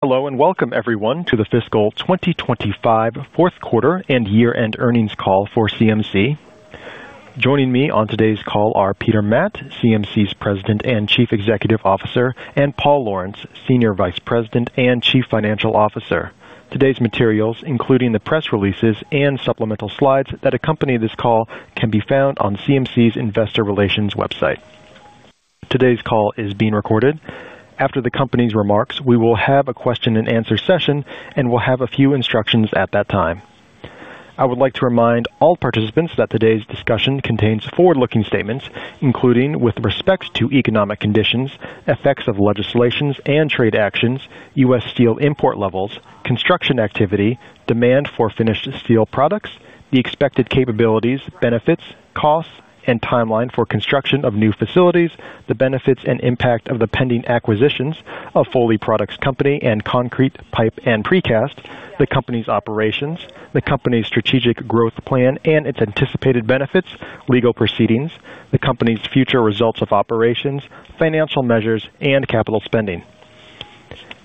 Hello and welcome, everyone, to the fiscal 2025 fourth quarter and year-end earnings call for CMC. Joining me on today's call are Peter Matt, CMC's President and Chief Executive Officer, and Paul Lawrence, Senior Vice President and Chief Financial Officer. Today's materials, including the press releases and supplemental slides that accompany this call, can be found on CMC's Investor Relations website. Today's call is being recorded. After the company's remarks, we will have a question-and-answer session, and we'll have a few instructions at that time. I would like to remind all participants that today's discussion contains forward-looking statements, including with respect to economic conditions, effects of legislations and trade actions, U.S. steel import levels, construction activity, demand for finished steel products, the expected capabilities, benefits, costs, and timeline for construction of new facilities, the benefits and impact of the pending acquisitions of Foley Products Company and Concrete, Pipe and Precast, the company's operations, the company's strategic growth plan and its anticipated benefits, legal proceedings, the company's future results of operations, financial measures, and capital spending.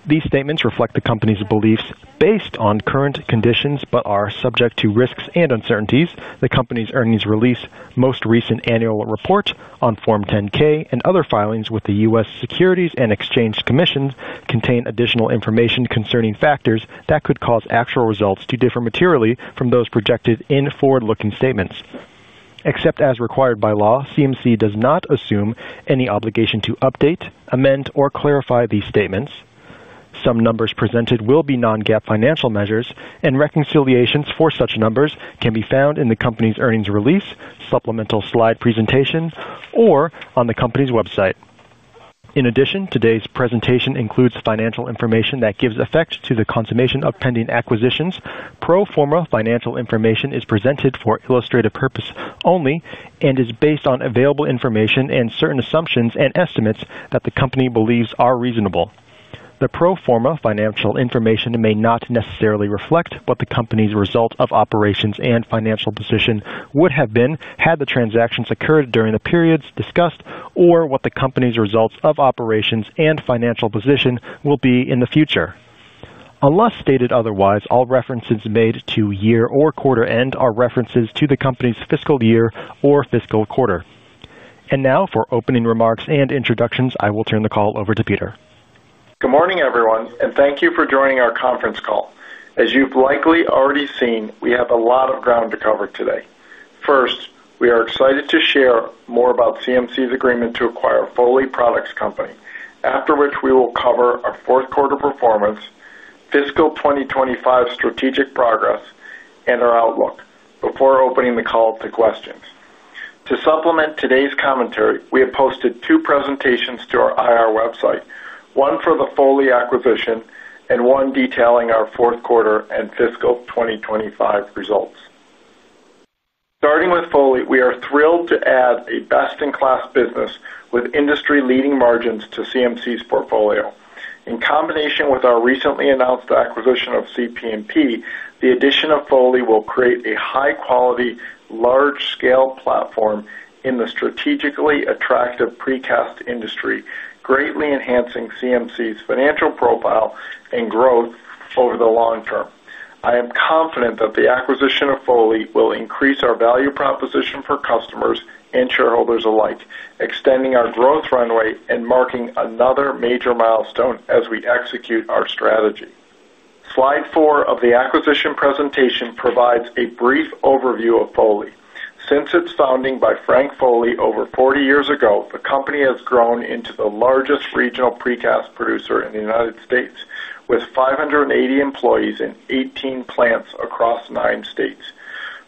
These statements reflect the company's beliefs based on current conditions but are subject to risks and uncertainties. The company's earnings release, most recent annual report on Form 10-K, and other filings with the U.S. Securities and Exchange Commission contain additional information concerning factors that could cause actual results to differ materially from those projected in forward-looking statements. Except as required by law, CMC does not assume any obligation to update, amend, or clarify these statements. Some numbers presented will be non-GAAP financial measures, and reconciliations for such numbers can be found in the company's earnings release, supplemental slide presentation, or on the company's website. In addition, today's presentation includes financial information that gives effect to the consummation of pending acquisitions. Pro forma financial information is presented for illustrative purpose only and is based on available information and certain assumptions and estimates that the company believes are reasonable. The pro forma financial information may not necessarily reflect what the company's result of operations and financial position would have been had the transactions occurred during the periods discussed or what the company's results of operations and financial position will be in the future. Unless stated otherwise, all references made to year or quarter end are references to the company's fiscal year or fiscal quarter. Now, for opening remarks and introductions, I will turn the call over to Peter. Good morning, everyone, and thank you for joining our conference call. As you've likely already seen, we have a lot of ground to cover today. First, we are excited to share more about CMC's agreement to acquire Foley Products Company, after which we will cover our fourth quarter performance, fiscal 2025 strategic progress, and our outlook before opening the call to questions. To supplement today's commentary, we have posted two presentations to our IR website, one for the Foley acquisition and one detailing our fourth quarter and fiscal 2025 results. Starting with Foley, we are thrilled to add a best-in-class business with industry-leading margins to CMC's portfolio. In combination with our recently announced acquisition of CPMP, the addition of Foley will create a high-quality, large-scale platform in the strategically attractive precast industry, greatly enhancing CMC's financial profile and growth over the long term. I am confident that the acquisition of Foley will increase our value proposition for customers and shareholders alike, extending our growth runway and marking another major milestone as we execute our strategy. Slide four of the acquisition presentation provides a brief overview of Foley. Since its founding by Frank Foley over 40 years ago, the company has grown into the largest regional precast producer in the United States, with 580 employees in 18 plants across nine states.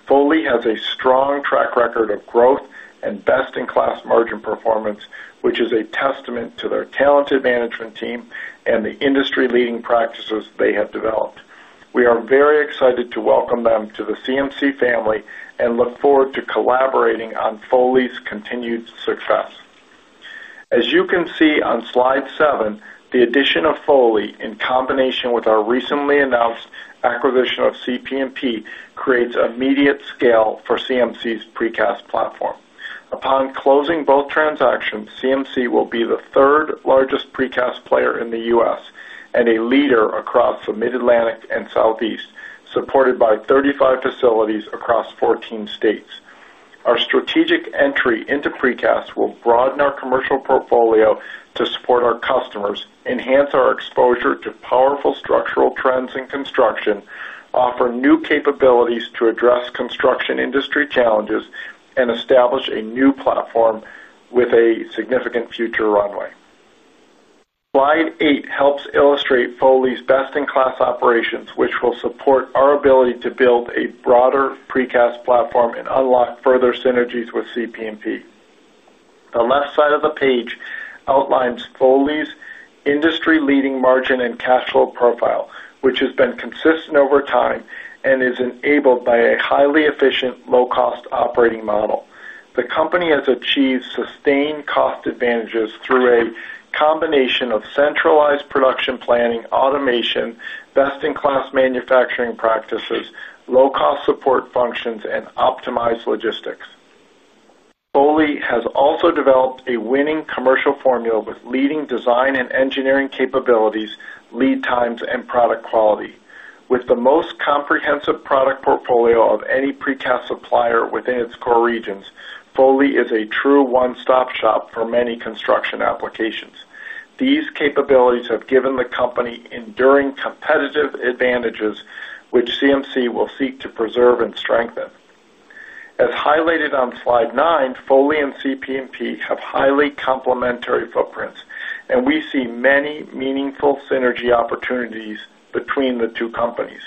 Foley has a strong track record of growth and best-in-class margin performance, which is a testament to their talented management team and the industry-leading practices they have developed. We are very excited to welcome them to the CMC family and look forward to collaborating on Foley's continued success. As you can see on slide seven, the addition of Foley, in combination with our recently announced acquisition of CPMP, creates immediate scale for CMC's precast platform. Upon closing both transactions, CMC will be the third largest precast player in the U.S. and a leader across the Mid-Atlantic and Southeast, supported by 35 facilities across 14 states. Our strategic entry into precast will broaden our commercial portfolio to support our customers, enhance our exposure to powerful structural trends in construction, offer new capabilities to address construction industry challenges, and establish a new platform with a significant future runway. Slide eight helps illustrate Foley's best-in-class operations, which will support our ability to build a broader Precast platform and unlock further synergies with CPMP. The left side of the page outlines Foley's industry-leading margin and cash flow profile, which has been consistent over time and is enabled by a highly efficient, low-cost operating model. The company has achieved sustained cost advantages through a combination of centralized production planning, automation, best-in-class manufacturing practices, low-cost support functions, and optimized logistics. Foley has also developed a winning commercial formula with leading design and engineering capabilities, lead times, and product quality. With the most comprehensive product portfolio of any Precast supplier within its core regions, Foley is a true one-stop shop for many construction applications. These capabilities have given the company enduring competitive advantages, which CMC will seek to preserve and strengthen. As highlighted on slide nine, Foley and CPMP have highly complementary footprints, and we see many meaningful synergy opportunities between the two companies.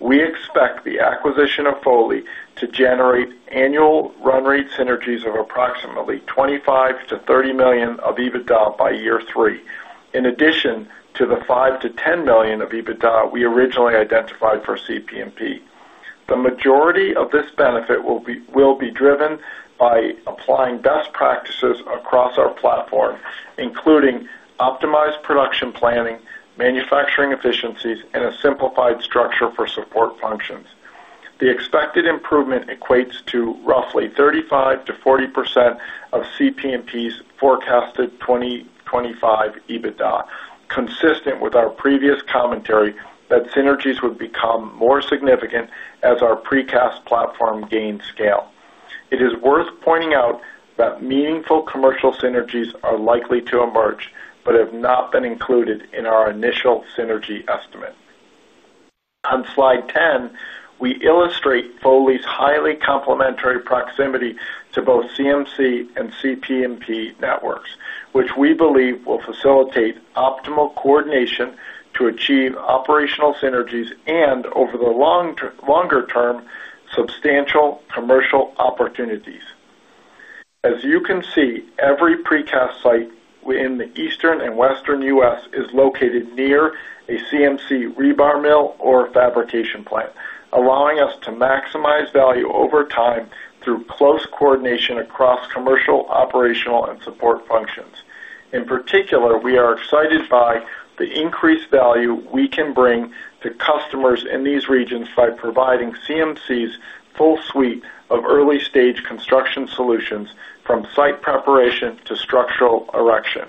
We expect the acquisition of Foley to generate annual run-rate synergies of approximately $25 million - $30 million of EBITDA by year three, in addition to the $5 million - $10 million of EBITDA we originally identified for CPMP. The majority of this benefit will be driven by applying best practices across our platform, including optimized production planning, manufacturing efficiencies, and a simplified structure for support functions. The expected improvement equates to roughly 35% - 40% of CPMP's forecasted 2025 EBITDA, consistent with our previous commentary that synergies would become more significant as our Precast platform gains scale. It is worth pointing out that meaningful commercial synergies are likely to emerge but have not been included in our initial synergy estimate. On slide 10, we illustrate Foley's highly complementary proximity to both CMC and CPMP networks, which we believe will facilitate optimal coordination to achieve operational synergies and, over the longer term, substantial commercial opportunities. As you can see, every Precast site in the Eastern and Western U.S. is located near a CMC rebar mill or fabrication plant, allowing us to maximize value over time through close coordination across commercial, operational, and support functions. In particular, we are excited by the increased value we can bring to customers in these regions by providing CMC's full suite of early-stage construction solutions, from site preparation to structural erection.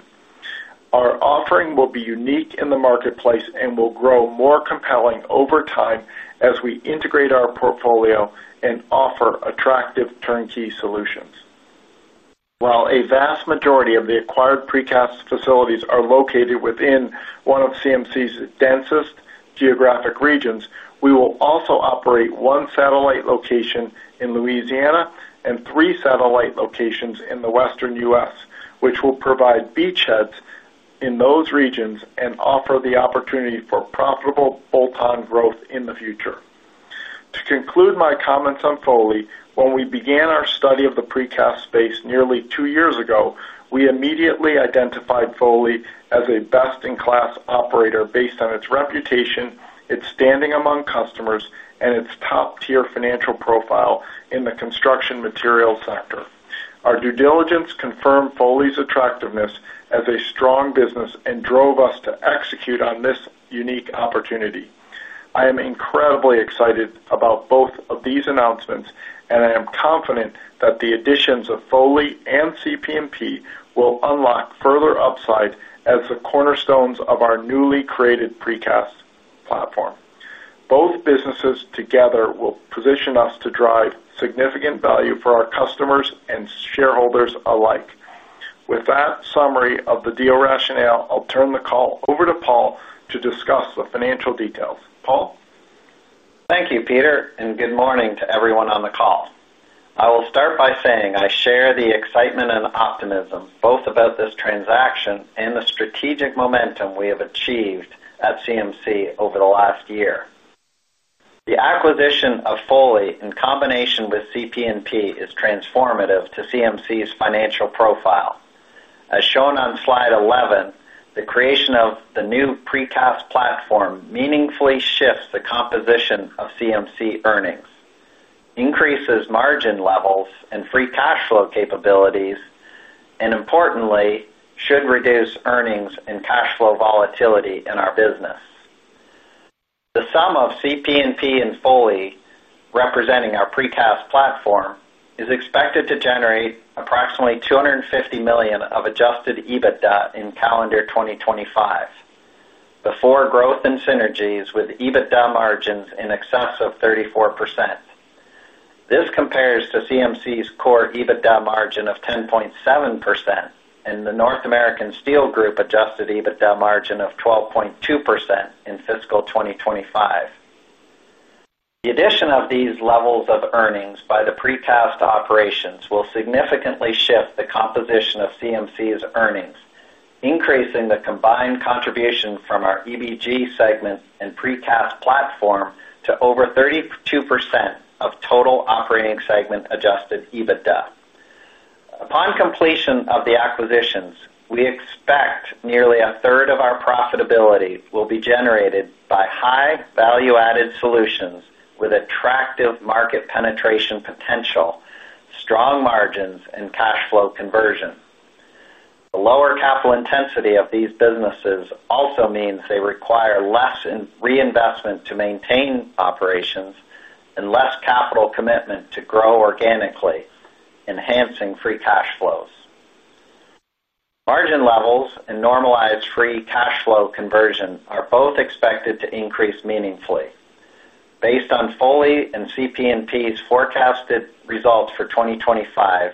Our offering will be unique in the marketplace and will grow more compelling over time as we integrate our portfolio and offer attractive turnkey solutions. While a vast majority of the acquired precast facilities are located within one of CMC's densest geographic regions, we will also operate one satellite location in Louisiana and three satellite locations in the Western U.S., which will provide beachheads in those regions and offer the opportunity for profitable bolt-on growth in the future. To conclude my comments on Foley, when we began our study of the precast space nearly two years ago, we immediately identified Foley as a best-in-class operator based on its reputation, its standing among customers, and its top-tier financial profile in the construction materials sector. Our due diligence confirmed Foley's attractiveness as a strong business and drove us to execute on this unique opportunity. I am incredibly excited about both of these announcements, and I am confident that the additions of Foley and CPMP will unlock further upsides as the cornerstones of our newly created precast platform. Both businesses together will position us to drive significant value for our customers and shareholders alike. With that summary of the deal rationale, I'll turn the call over to Paul to discuss the financial details. Paul? Thank you, Peter, and good morning to everyone on the call. I will start by saying I share the excitement and optimism both about this transaction and the strategic momentum we have achieved at CMC over the last year. The acquisition of Foley, in combination with CPMP, is transformative to CMC's financial profile. As shown on slide 11, the creation of the new Precast platform meaningfully shifts the composition of CMC earnings, increases margin levels and free cash flow capabilities, and importantly, should reduce earnings and cash flow volatility in our business. The sum of CPMP and Foley, representing our Precast platform, is expected to generate approximately $250 million of adjusted EBITDA in calendar 2025, before growth and synergies with EBITDA margins in excess of 34%. This compares to CMC's core EBITDA margin of 10.7% and the North America Steel Group adjusted EBITDA margin of 12.2% in fiscal 2025. The addition of these levels of earnings by the Precast operations will significantly shift the composition of CMC's earnings, increasing the combined contribution from our Emerging Businesses Group segment and Precast platform to over 32% of total operating segment adjusted EBITDA. Upon completion of the acquisitions, we expect nearly a third of our profitability will be generated by high value-added solutions with attractive market penetration potential, strong margins, and cash flow conversion. The lower capital intensity of these businesses also means they require less reinvestment to maintain operations and less capital commitment to grow organically, enhancing free cash flows. Margin levels and normalized free cash flow conversion are both expected to increase meaningfully. Based on Foley and CPMP's forecasted results for 2025,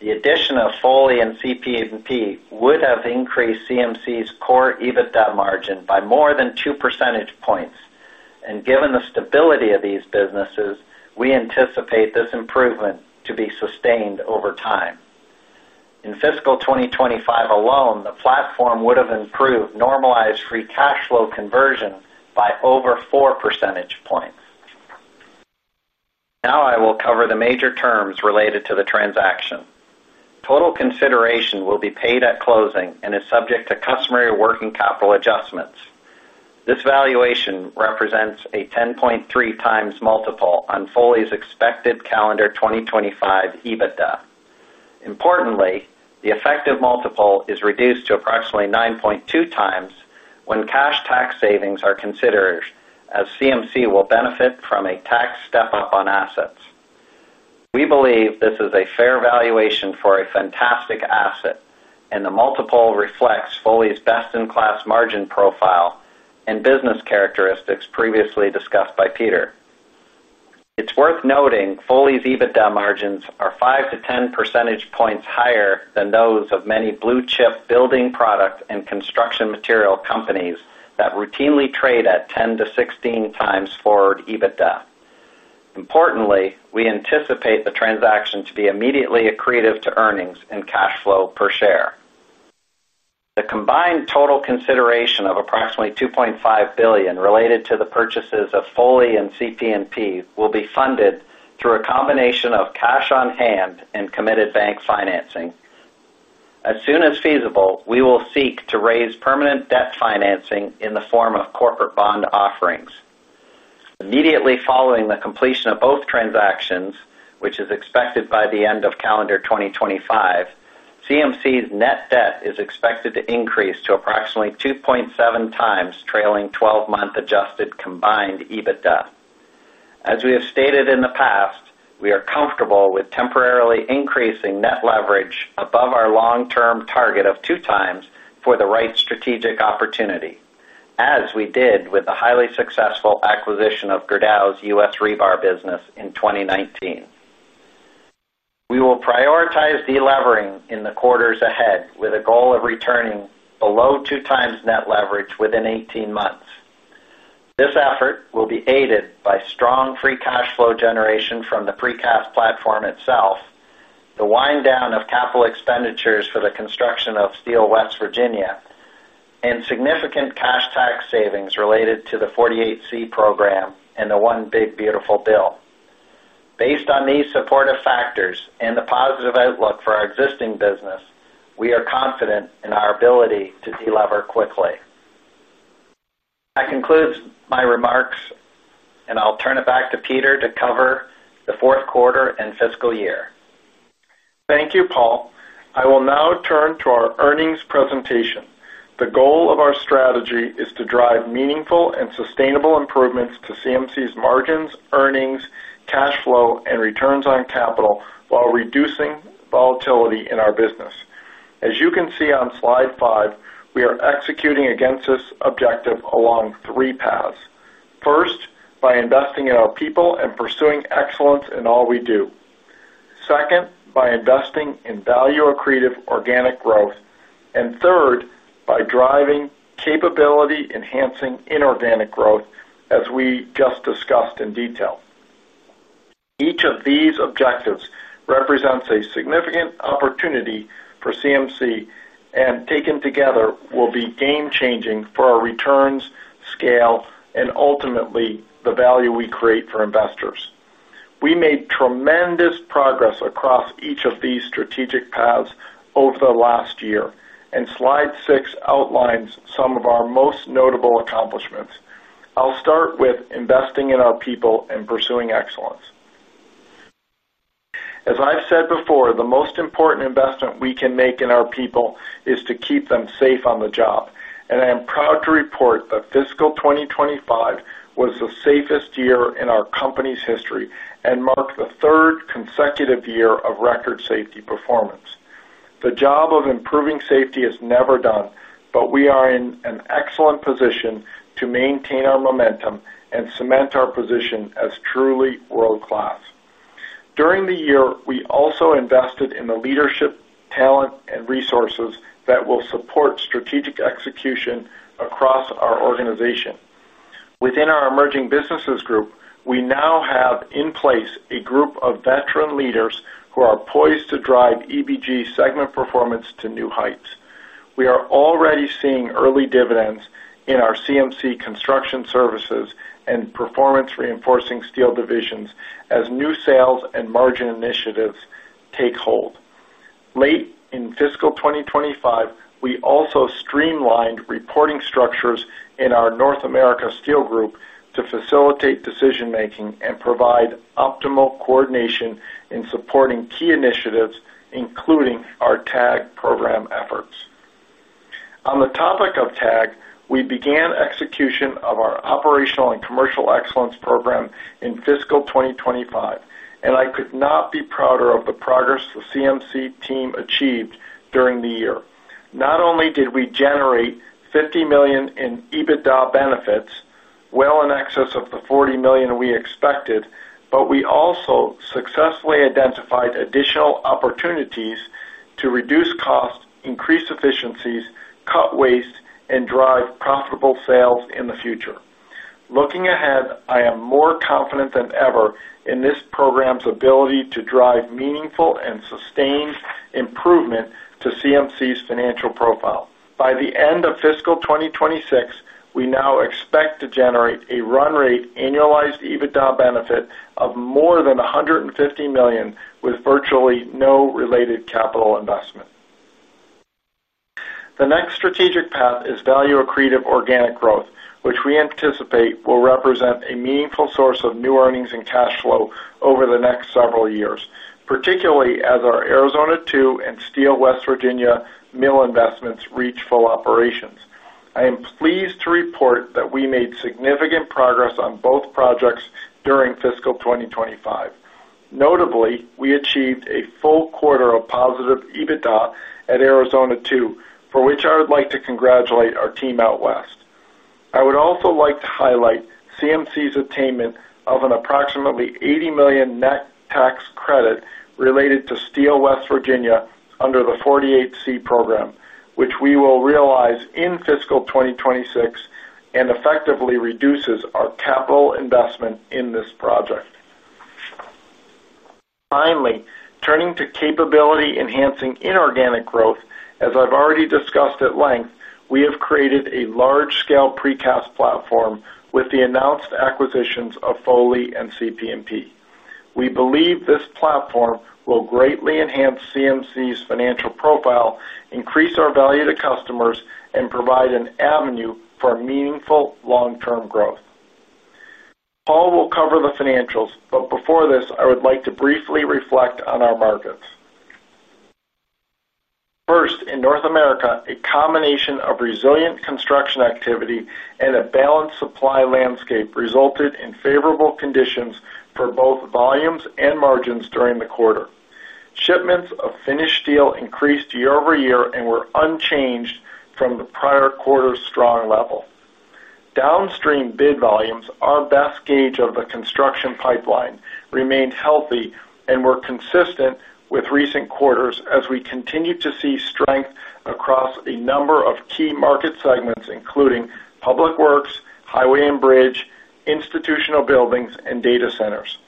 the addition of Foley and CPMP would have increased CMC's core EBITDA margin by more than two percentage points, and given the stability of these businesses, we anticipate this improvement to be sustained over time. In fiscal 2025 alone, the platform would have improved normalized free cash flow conversion by over four percentage points. Now I will cover the major terms related to the transaction. Total consideration will be paid at closing and is subject to customary working capital adjustments. This valuation represents a 10.3x multiple on Foley's expected calendar 2025 EBITDA. Importantly, the effective multiple is reduced to approximately 9.2x when cash tax savings are considered, as CMC will benefit from a tax step-up on assets. We believe this is a fair valuation for a fantastic asset, and the multiple reflects Foley's best-in-class margin profile and business characteristics previously discussed by Peter. It's worth noting Foley's EBITDA margins are 5% - 10% higher than those of many blue-chip building product and construction material companies that routinely trade at 10 - 16 times forward EBITDA. Importantly, we anticipate the transaction to be immediately accretive to earnings and cash flow per share. The combined total consideration of approximately $2.5 billion related to the purchases of Foley and CPMP will be funded through a combination of cash on hand and committed bank financing. As soon as feasible, we will seek to raise permanent debt financing in the form of corporate bond offerings. Immediately following the completion of both transactions, which is expected by the end of calendar 2025, CMC's net debt is expected to increase to approximately 2.7x trailing 12-month adjusted combined EBITDA. As we have stated in the past, we are comfortable with temporarily increasing net leverage above our long-term target of two times for the right strategic opportunity, as we did with the highly successful acquisition of Gerdau's U.S. rebar business in 2019. We will prioritize delevering in the quarters ahead with a goal of returning below two times net leverage within 18 months. This effort will be aided by strong free cash flow generation from the Precast platform itself, the wind-down of capital expenditures for the construction of Steel West Virginia, and significant cash tax savings related to the 48C program and the One Big Beautiful Bill. Based on these supportive factors and the positive outlook for our existing business, we are confident in our ability to delever quickly. That concludes my remarks, and I'll turn it back to Peter to cover the fourth quarter and fiscal year. Thank you, Paul. I will now turn to our earnings presentation. The goal of our strategy is to drive meaningful and sustainable improvements to CMC's margins, earnings, cash flow, and returns on capital while reducing volatility in our business. As you can see on slide five, we are executing against this objective along three paths. First, by investing in our people and pursuing excellence in all we do. Second, by investing in value-accretive organic growth. Third, by driving capability-enhancing inorganic growth, as we just discussed in detail. Each of these objectives represents a significant opportunity for CMC, and taken together will be game-changing for our returns, scale, and ultimately the value we create for investors. We made tremendous progress across each of these strategic paths over the last year, and slide six outlines some of our most notable accomplishments. I'll start with investing in our people and pursuing excellence. As I've said before, the most important investment we can make in our people is to keep them safe on the job, and I am proud to report that fiscal 2025 was the safest year in our company's history and marked the third consecutive year of record safety performance. The job of improving safety is never done, but we are in an excellent position to maintain our momentum and cement our position as truly world-class. During the year, we also invested in the leadership, talent, and resources that will support strategic execution across our organization. Within our Emerging Businesses Group, we now have in place a group of veteran leaders who are poised to drive EBG segment performance to new heights. We are already seeing early dividends in our CMC Construction Services and Performance Reinforcing Steel divisions as new sales and margin initiatives take hold. Late in fiscal 2025, we also streamlined reporting structures in our North America Steel Group to facilitate decision-making and provide optimal coordination in supporting key initiatives, including our TAG program efforts. On the topic of TAG, we began execution of our operational and commercial excellence program in fiscal 2025, and I could not be prouder of the progress the CMC team achieved during the year. Not only did we generate $50 million in EBITDA benefits, well in excess of the $40 million we expected, but we also successfully identified additional opportunities to reduce costs, increase efficiencies, cut waste, and drive profitable sales in the future. Looking ahead, I am more confident than ever in this program's ability to drive meaningful and sustained improvement to CMC's financial profile. By the end of fiscal 2026, we now expect to generate a run-rate annualized EBITDA benefit of more than $150 million with virtually no related capital investment. The next strategic path is value-accretive organic growth, which we anticipate will represent a meaningful source of new earnings and cash flow over the next several years, particularly as our Arizona II and Steel West Virginia mill investments reach full operations. I am pleased to report that we made significant progress on both projects during fiscal 2025. Notably, we achieved a full quarter of positive EBITDA at Arizona II, for which I would like to congratulate our team out west. I would also like to highlight CMC's attainment of an approximately $80 million net tax credit related to Steel West Virginia under the 48C program, which we will realize in fiscal 2026 and effectively reduces our capital investment in this project. Finally, turning to capability-enhancing inorganic growth, as I've already discussed at length, we have created a large-scale precast platform with the announced acquisitions of Foley and CPMP. We believe this platform will greatly enhance CMC's financial profile, increase our value to customers, and provide an avenue for meaningful long-term growth. Paul will cover the financials, but before this, I would like to briefly reflect on our markets. First, in North America, a combination of resilient construction activity and a balanced supply landscape resulted in favorable conditions for both volumes and margins during the quarter. Shipments of finished steel increased year over year and were unchanged from the prior quarter's strong level. Downstream bid volumes, our best gauge of the construction pipeline, remained healthy and were consistent with recent quarters as we continued to see strength across a number of key market segments, including public works, highway and bridge, institutional buildings, and data centers.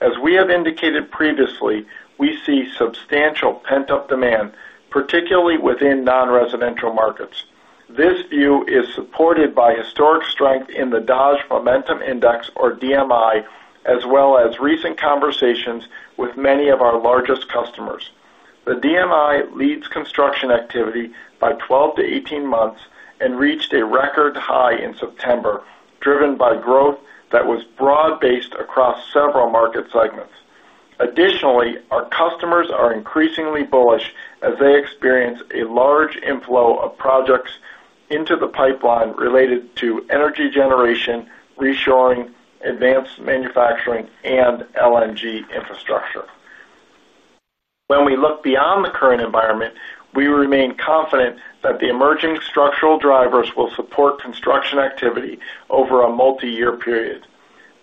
As we have indicated previously, we see substantial pent-up demand, particularly within non-residential markets. This view is supported by historic strength in the Dodge Momentum Index, or DMI, as well as recent conversations with many of our largest customers. The DMI leads construction activity by 12 - 18 months and reached a record high in September, driven by growth that was broad-based across several market segments. Additionally, our customers are increasingly bullish as they experience a large inflow of projects into the pipeline related to energy generation, reshoring, advanced manufacturing, and LNG infrastructure. When we look beyond the current environment, we remain confident that the emerging structural drivers will support construction activity over a multi-year period.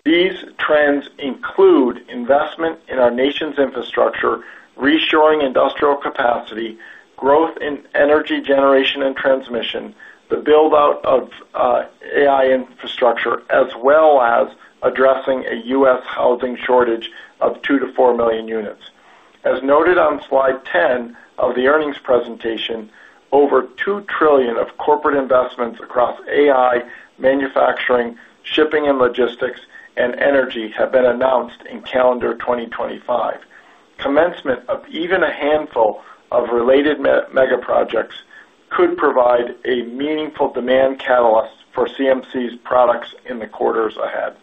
These trends include investment in our nation's infrastructure, reshoring industrial capacity, growth in energy generation and transmission, the build-out of AI infrastructure, as well as addressing a U.S. housing shortage of 2 - 4 million units. As noted on slide 10 of the earnings presentation, over $2 trillion of corporate investments across AI, manufacturing, shipping and logistics, and energy have been announced in calendar 2025. Commencement of even a handful of related mega projects could provide a meaningful demand catalyst for CMC's products in the quarters ahead.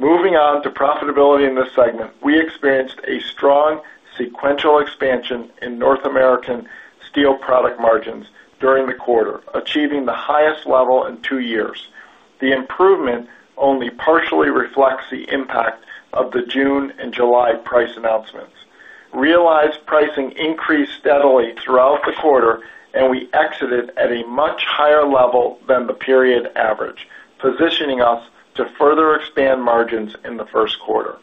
Moving on to profitability in this segment, we experienced a strong sequential expansion in North American steel product margins during the quarter, achieving the highest level in two years. The improvement only partially reflects the impact of the June and July price announcements. Realized pricing increased steadily throughout the quarter, and we exited at a much higher level than the period average, positioning us to further expand margins in the first quarter.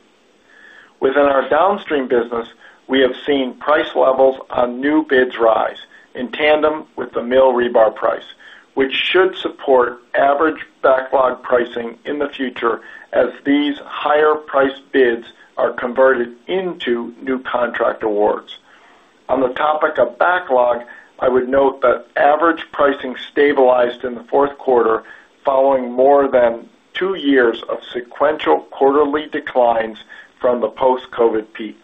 Within our downstream business, we have seen price levels on new bids rise in tandem with the mill rebar price, which should support average backlog pricing in the future as these higher priced bids are converted into new contract awards. On the topic of backlog, I would note that average pricing stabilized in the fourth quarter following more than two years of sequential quarterly declines from the post-COVID peak.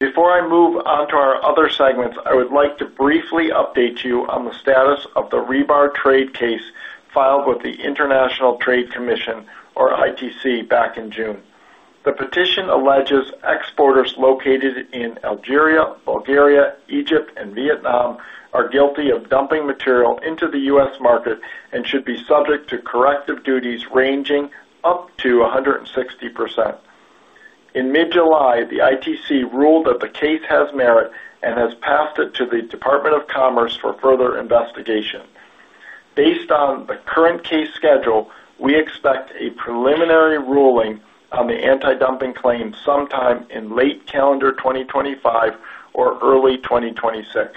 Before I move on to our other segments, I would like to briefly update you on the status of the rebar trade case filed with the International Trade Commission, or ITC, back in June. The petition alleges exporters located in Algeria, Bulgaria, Egypt, and Vietnam are guilty of dumping material into the U.S. market and should be subject to corrective duties ranging up to 160%. In mid-July, the ITC ruled that the case has merit and has passed it to the Department of Commerce for further investigation. Based on the current case schedule, we expect a preliminary ruling on the anti-dumping claim sometime in late calendar 2025 or early 2026.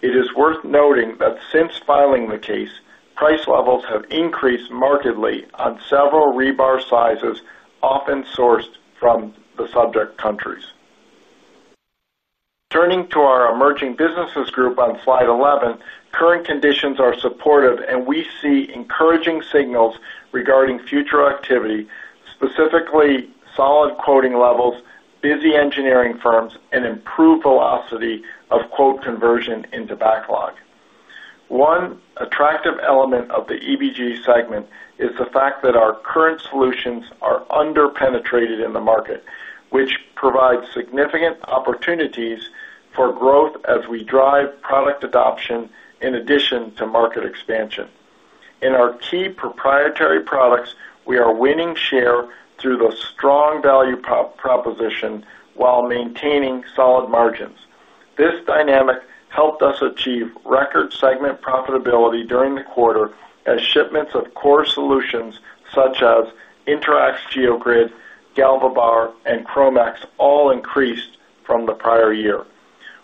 It is worth noting that since filing the case, price levels have increased markedly on several rebar sizes, often sourced from the subject countries. Turning to our Emerging Businesses Group on slide 11, current conditions are supportive, and we see encouraging signals regarding future activity, specifically solid quoting levels, busy engineering firms, and improved velocity of quote conversion into backlog. One attractive element of the Emerging Businesses Group segment is the fact that our current solutions are underpenetrated in the market, which provides significant opportunities for growth as we drive product adoption in addition to market expansion. In our key proprietary products, we are winning share through the strong value proposition while maintaining solid margins. This dynamic helped us achieve record segment profitability during the quarter as shipments of core solutions such as InterAx Geogrid, GalvaBar, and Chromax all increased from the prior year.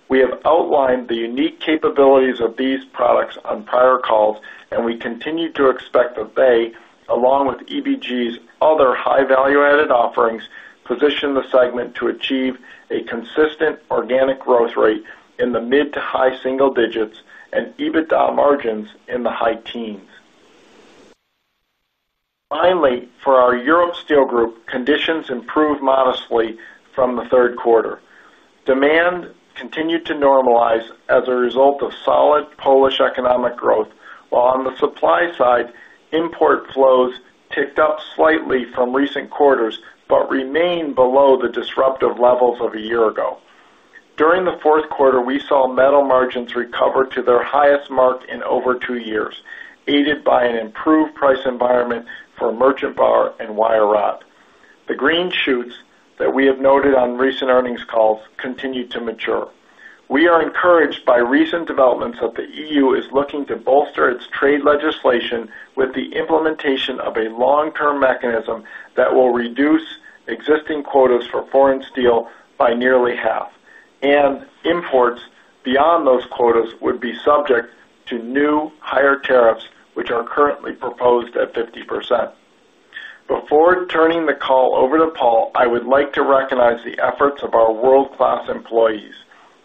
We have outlined the unique capabilities of these products on prior calls, and we continue to expect that they, along with the Emerging Businesses Group's other high value-added offerings, position the segment to achieve a consistent organic growth rate in the mid to high single digits and EBITDA margins in the high teens. Finally, for our Europe Steel Group, conditions improved modestly from the third quarter. Demand continued to normalize as a result of solid Polish economic growth, while on the supply side, import flows ticked up slightly from recent quarters but remain below the disruptive levels of a year ago. During the fourth quarter, we saw metal margins recover to their highest mark in over two years, aided by an improved price environment for Merchant Bar and Wire Rod. The green shoots that we have noted on recent earnings calls continue to mature. We are encouraged by recent developments that the EU is looking to bolster its trade legislation with the implementation of a long-term mechanism that will reduce existing quotas for foreign steel by nearly half, and imports beyond those quotas would be subject to new higher tariffs, which are currently proposed at 50%. Before turning the call over to Paul, I would like to recognize the efforts of our world-class employees.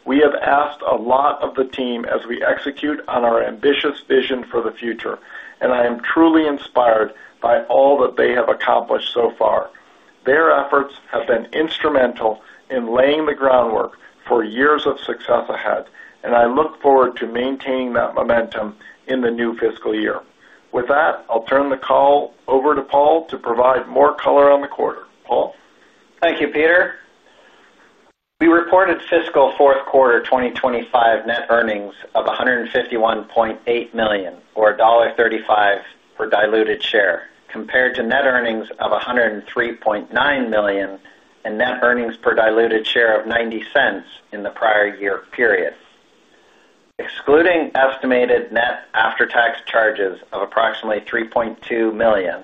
We have asked a lot of the team as we execute on our ambitious vision for the future, and I am truly inspired by all that they have accomplished so far. Their efforts have been instrumental in laying the groundwork for years of success ahead, and I look forward to maintaining that momentum in the new fiscal year. With that, I'll turn the call over to Paul to provide more color on the quarter. Paul? Thank you, Peter. We reported fiscal fourth quarter 2025 net earnings of $151.8 million, or $1.35 per diluted share, compared to net earnings of $103.9 million and net earnings per diluted share of $0.90 in the prior year period. Excluding estimated net after-tax charges of approximately $3.2 million,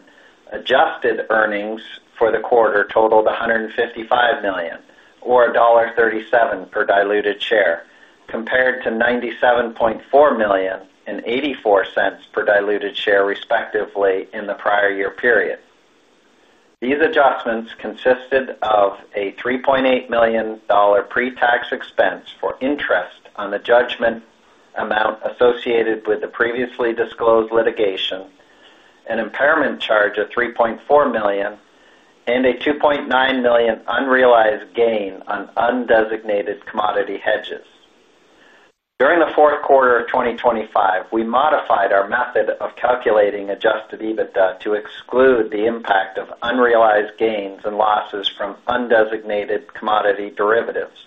adjusted earnings for the quarter totaled $155 million, or $1.37 per diluted share, compared to $97.4 million and $0.84 per diluted share, respectively, in the prior year period. These adjustments consisted of a $3.8 million pre-tax expense for interest on the judgment amount associated with the previously disclosed litigation, an impairment charge of $3.4 million, and a $2.9 million unrealized gain on undesignated commodity hedges. During the fourth quarter of 2025, we modified our method of calculating adjusted EBITDA to exclude the impact of unrealized gains and losses from undesignated commodity derivatives.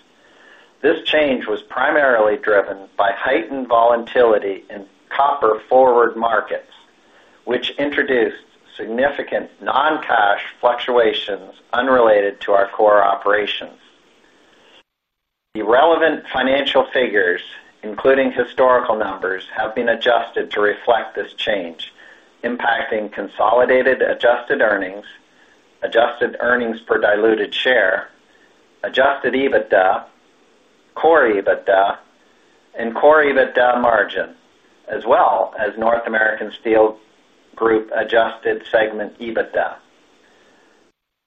This change was primarily driven by heightened volatility in copper-forward markets, which introduced significant non-cash fluctuations unrelated to our core operations. The relevant financial figures, including historical numbers, have been adjusted to reflect this change, impacting consolidated adjusted earnings, adjusted earnings per diluted share, adjusted EBITDA, core EBITDA, and core EBITDA margin, as well as North America Steel Group adjusted segment EBITDA.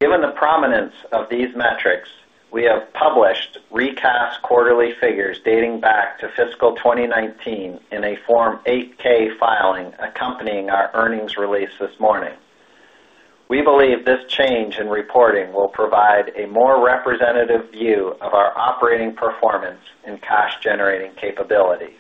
Given the prominence of these metrics, we have published recast quarterly figures dating back to fiscal 2019 in a Form 8-K filing accompanying our earnings release this morning. We believe this change in reporting will provide a more representative view of our operating performance and cash-generating capability.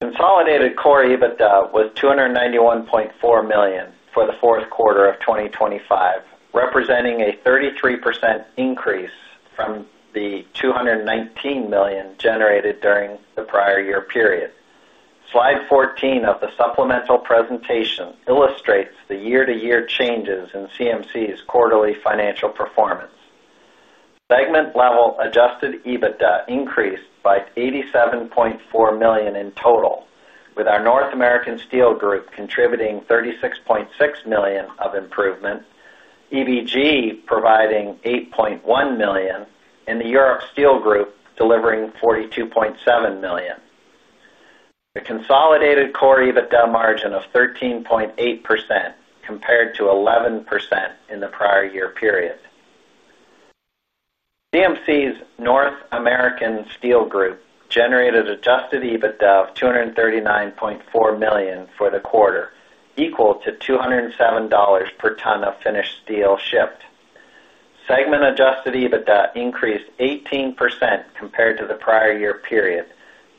Consolidated core EBITDA was $291.4 million for the fourth quarter of 2025, representing a 33% increase from the $219 million generated during the prior year period. Slide 14 of the supplemental presentation illustrates the year-to-year changes in CMC's quarterly financial performance. Segment-level adjusted EBITDA increased by $87.4 million in total, with our North America Steel Group contributing $36.6 million of improvement, Emerging Businesses Group providing $8.1 million, and the Europe Steel Group delivering $42.7 million. The consolidated core EBITDA margin of 13.8% compared to 11% in the prior year period. CMC's North America Steel Group generated adjusted EBITDA of $239.4 million for the quarter, equal to $207 per ton of finished steel shipped. Segment-adjusted EBITDA increased 18% compared to the prior year period,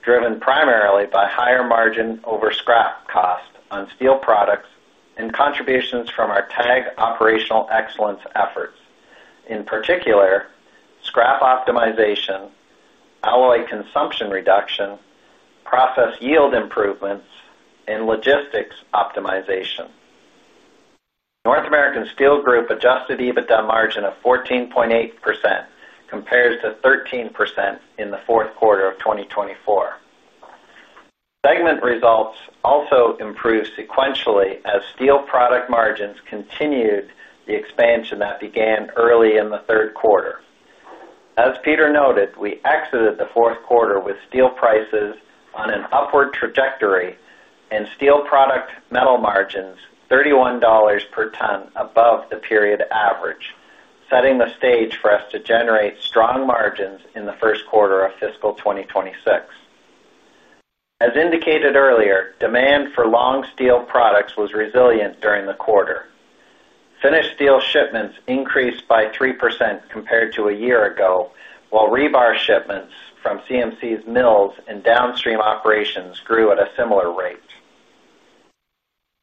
driven primarily by higher margin over scrap cost on steel products and contributions from our TAG operational excellence efforts. In particular, scrap optimization, alloy consumption reduction, process yield improvements, and logistics optimization. North America Steel Group adjusted EBITDA margin of 14.8% compares to 13% in the fourth quarter of 2024. Segment results also improved sequentially as steel product margins continued the expansion that began early in the third quarter. As Peter noted, we exited the fourth quarter with steel prices on an upward trajectory and steel product metal margins $31 per ton above the period average, setting the stage for us to generate strong margins in the first quarter of fiscal 2026. As indicated earlier, demand for long steel products was resilient during the quarter. Finished steel shipments increased by 3% compared to a year ago, while rebar shipments from CMC's mills and downstream operations grew at a similar rate.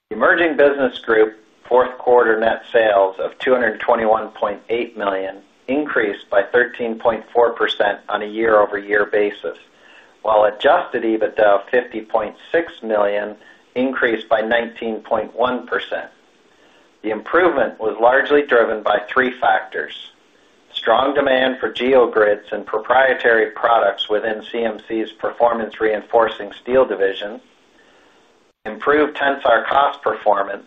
The Emerging Businesses Group fourth quarter net sales of $221.8 million increased by 13.4% on a year-over-year basis, while adjusted EBITDA of $50.6 million increased by 19.1%. The improvement was largely driven by three factors: strong demand for geogrids and proprietary products within CMC's Performance Reinforcing Steel division, improved tensile cost performance,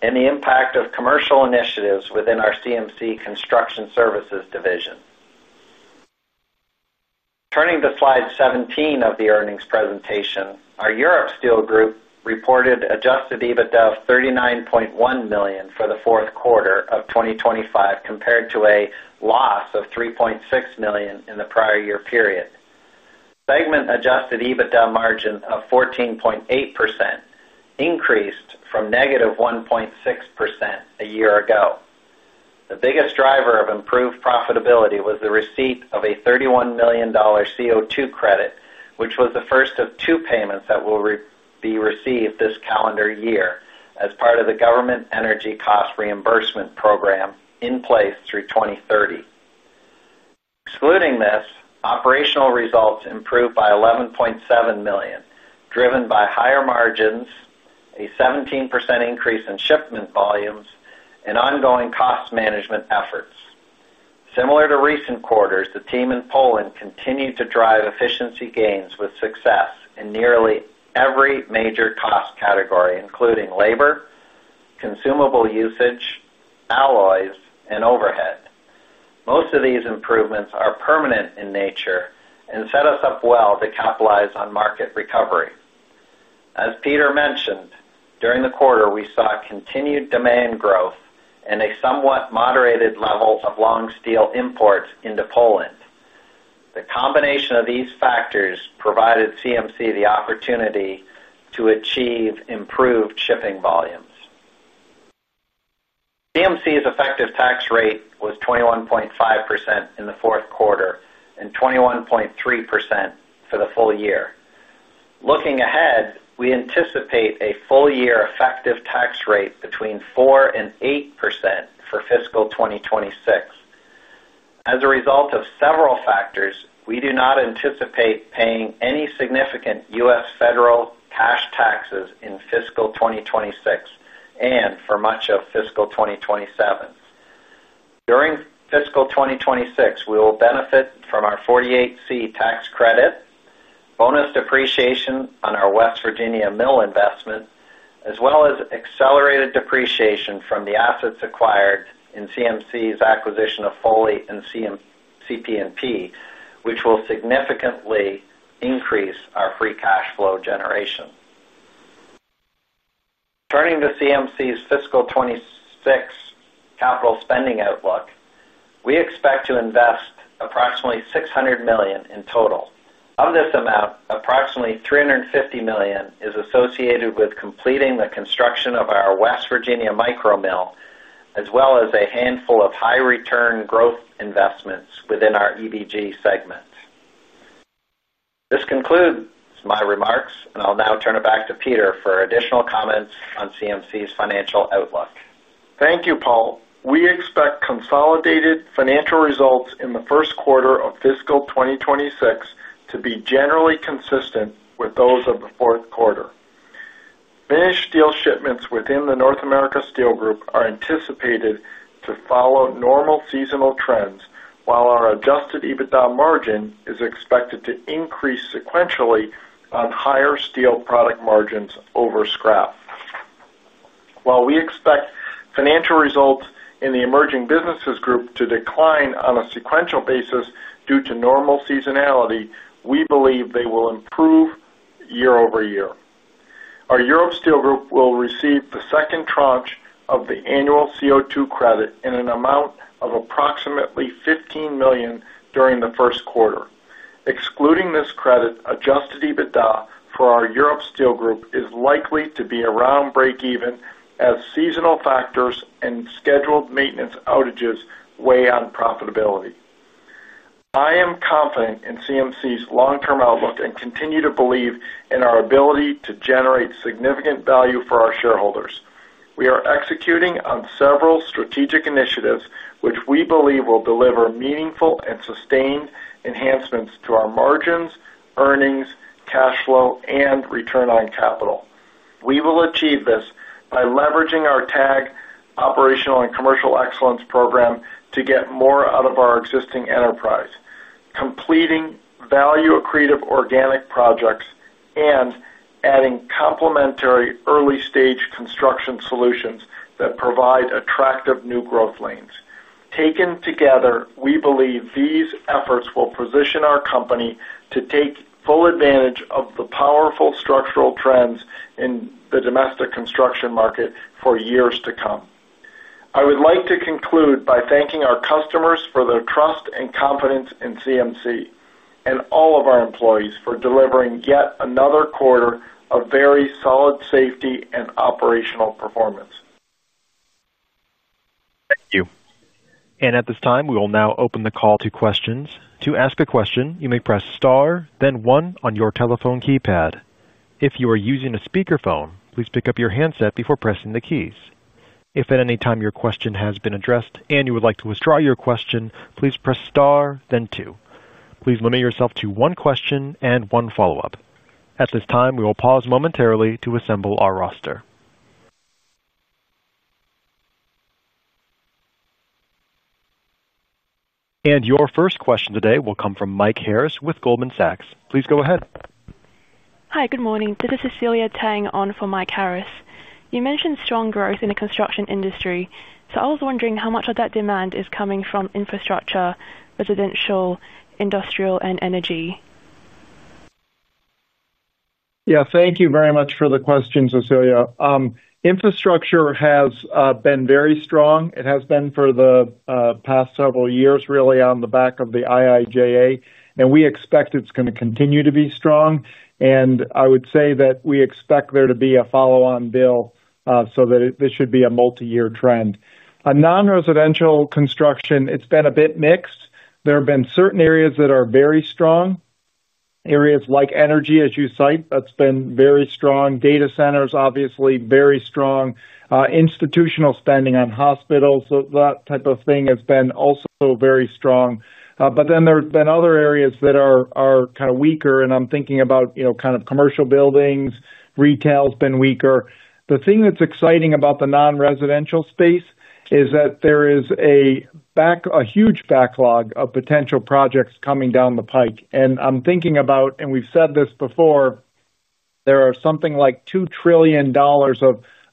and the impact of commercial initiatives within our CMC Construction Services division. Turning to slide 17 of the earnings presentation, our Europe Steel Group reported adjusted EBITDA of $39.1 million for the fourth quarter of 2025, compared to a loss of $3.6 million in the prior year period. Segment-adjusted EBITDA margin of 14.8% increased from -1.6% a year ago. The biggest driver of improved profitability was the receipt of a $31 million CO2 credit, which was the first of two payments that will be received this calendar year as part of the government energy cost reimbursement program in place through 2030. Excluding this, operational results improved by $11.7 million, driven by higher margins, a 17% increase in shipment volumes, and ongoing cost management efforts. Similar to recent quarters, the team in Poland continued to drive efficiency gains with success in nearly every major cost category, including labor, consumable usage, alloys, and overhead. Most of these improvements are permanent in nature and set us up well to capitalize on market recovery. As Peter mentioned, during the quarter, we saw continued demand growth and a somewhat moderated level of long steel imports into Poland. The combination of these factors provided CMC the opportunity to achieve improved shipping volumes. CMC's effective tax rate was 21.5% in the fourth quarter and 21.3% for the full year. Looking ahead, we anticipate a full-year effective tax rate between 4% and 8% for fiscal 2026. As a result of several factors, we do not anticipate paying any significant U.S. federal cash taxes in fiscal 2026 and for much of fiscal 2027. During fiscal 2026, we will benefit from our 48C tax credit, bonus depreciation on our West Virginia mill investment, as well as accelerated depreciation from the assets acquired in CMC's acquisition of Foley and CPMP, which will significantly increase our free cash flow generation. Turning to CMC's fiscal 2026 capital spending outlook, we expect to invest approximately $600 million in total. Of this amount, approximately $350 million is associated with completing the construction of our West Virginia micromill, as well as a handful of high-return growth investments within our Emerging Businesses Group segment. This concludes my remarks, and I'll now turn it back to Peter for additional comments on CMC's financial outlook. Thank you, Paul. We expect consolidated financial results in the first quarter of fiscal 2026 to be generally consistent with those of the fourth quarter. Finished steel shipments within the North America Steel Group are anticipated to follow normal seasonal trends, while our adjusted EBITDA margin is expected to increase sequentially on higher steel product margins over scrap. While we expect financial results in the Emerging Businesses Group to decline on a sequential basis due to normal seasonality, we believe they will improve year over year. Our Europe Steel Group will receive the second tranche of the annual CO2 credit in an amount of approximately $15 million during the first quarter. Excluding this credit, adjusted EBITDA for our Europe Steel Group is likely to be around breakeven as seasonal factors and scheduled maintenance outages weigh on profitability. I am confident in CMC's long-term outlook and continue to believe in our ability to generate significant value for our shareholders. We are executing on several strategic initiatives, which we believe will deliver meaningful and sustained enhancements to our margins, earnings, cash flow, and return on capital. We will achieve this by leveraging our TAG operational and commercial excellence program to get more out of our existing enterprise, completing value-accretive organic projects, and adding complementary early-stage construction solutions that provide attractive new growth lanes. Taken together, we believe these efforts will position our company to take full advantage of the powerful structural trends in the domestic construction market for years to come. I would like to conclude by thanking our customers for their trust and confidence in CMC and all of our employees for delivering yet another quarter of very solid safety and operational performance. Thank you. At this time, we will now open the call to questions. To ask a question, you may press star, then one on your telephone keypad. If you are using a speakerphone, please pick up your handset before pressing the keys. If at any time your question has been addressed and you would like to withdraw your question, please press star, then two. Please limit yourself to one question and one follow-up. At this time, we will pause momentarily to assemble our roster. Your first question today will come from Mike Harris with Goldman Sachs. Please go ahead. Hi, good morning. This is Cecilia Tang on for Mike Harris. You mentioned strong growth in the construction industry, so I was wondering how much of that demand is coming from infrastructure, residential, industrial, and energy. Yeah, thank you very much for the question, Cecilia. Infrastructure has been very strong. It has been for the past several years, really on the back of the IIJA, and we expect it's going to continue to be strong. I would say that we expect there to be a follow-on bill so that this should be a multi-year trend. On non-residential construction, it's been a bit mixed. There have been certain areas that are very strong, areas like energy, as you cite, that's been very strong. Data centers, obviously very strong. Institutional spending on hospitals, that type of thing has been also very strong. There have been other areas that are kind of weaker, and I'm thinking about kind of commercial buildings, retail has been weaker. The thing that's exciting about the non-residential space is that there is a huge backlog of potential projects coming down the pike. I'm thinking about, and we've said this before, there are something like $2 trillion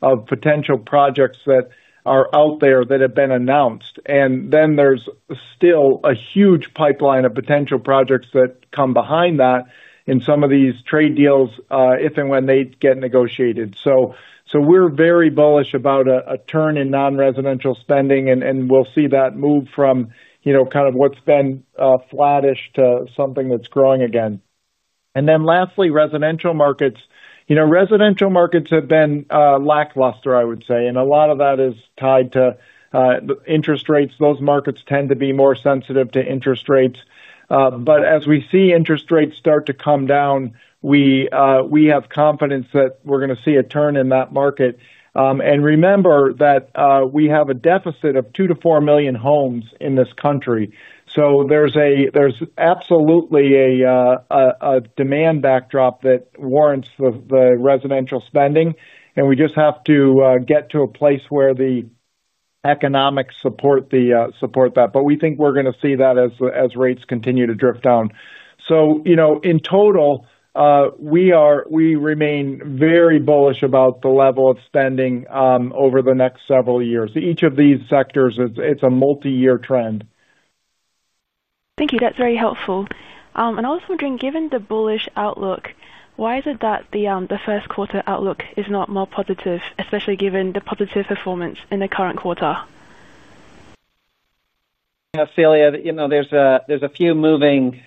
of potential projects that are out there that have been announced. There is still a huge pipeline of potential projects that come behind that in some of these trade deals if and when they get negotiated. We're very bullish about a turn in non-residential spending, and we'll see that move from kind of what's been flattish to something that's growing again. Lastly, residential markets. You know, residential markets have been lackluster, I would say, and a lot of that is tied to interest rates. Those markets tend to be more sensitive to interest rates. As we see interest rates start to come down, we have confidence that we're going to see a turn in that market. Remember that we have a deficit of 2 - 4 million homes in this country. There is absolutely a demand backdrop that warrants the residential spending, and we just have to get to a place where the economics support that. We think we're going to see that as rates continue to drift down. In total, we remain very bullish about the level of spending over the next several years. Each of these sectors, it's a multi-year trend. Thank you. That's very helpful. I was wondering, given the bullish outlook, why is it that the first quarter outlook is not more positive, especially given the positive performance in the current quarter? Cecilia, there's a few moving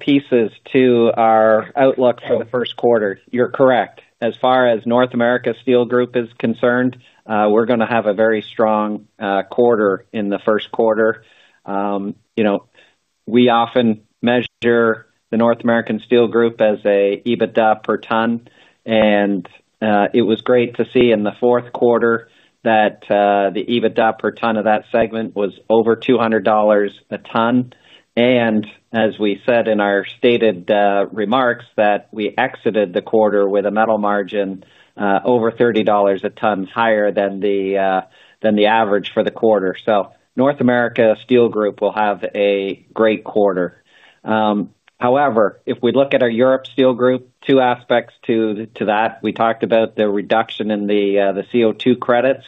pieces to our outlook for the first quarter. You're correct. As far as North America Steel Group is concerned, we're going to have a very strong quarter in the first quarter. We often measure the North America Steel Group as an EBITDA per ton, and it was great to see in the fourth quarter that the EBITDA per ton of that segment was over $200 a ton. As we said in our stated remarks, we exited the quarter with a metal margin over $30 a ton, higher than the average for the quarter. North America Steel Group will have a great quarter. However, if we look at our Europe Steel Group, two aspects to that. We talked about the reduction in the CO2 credits.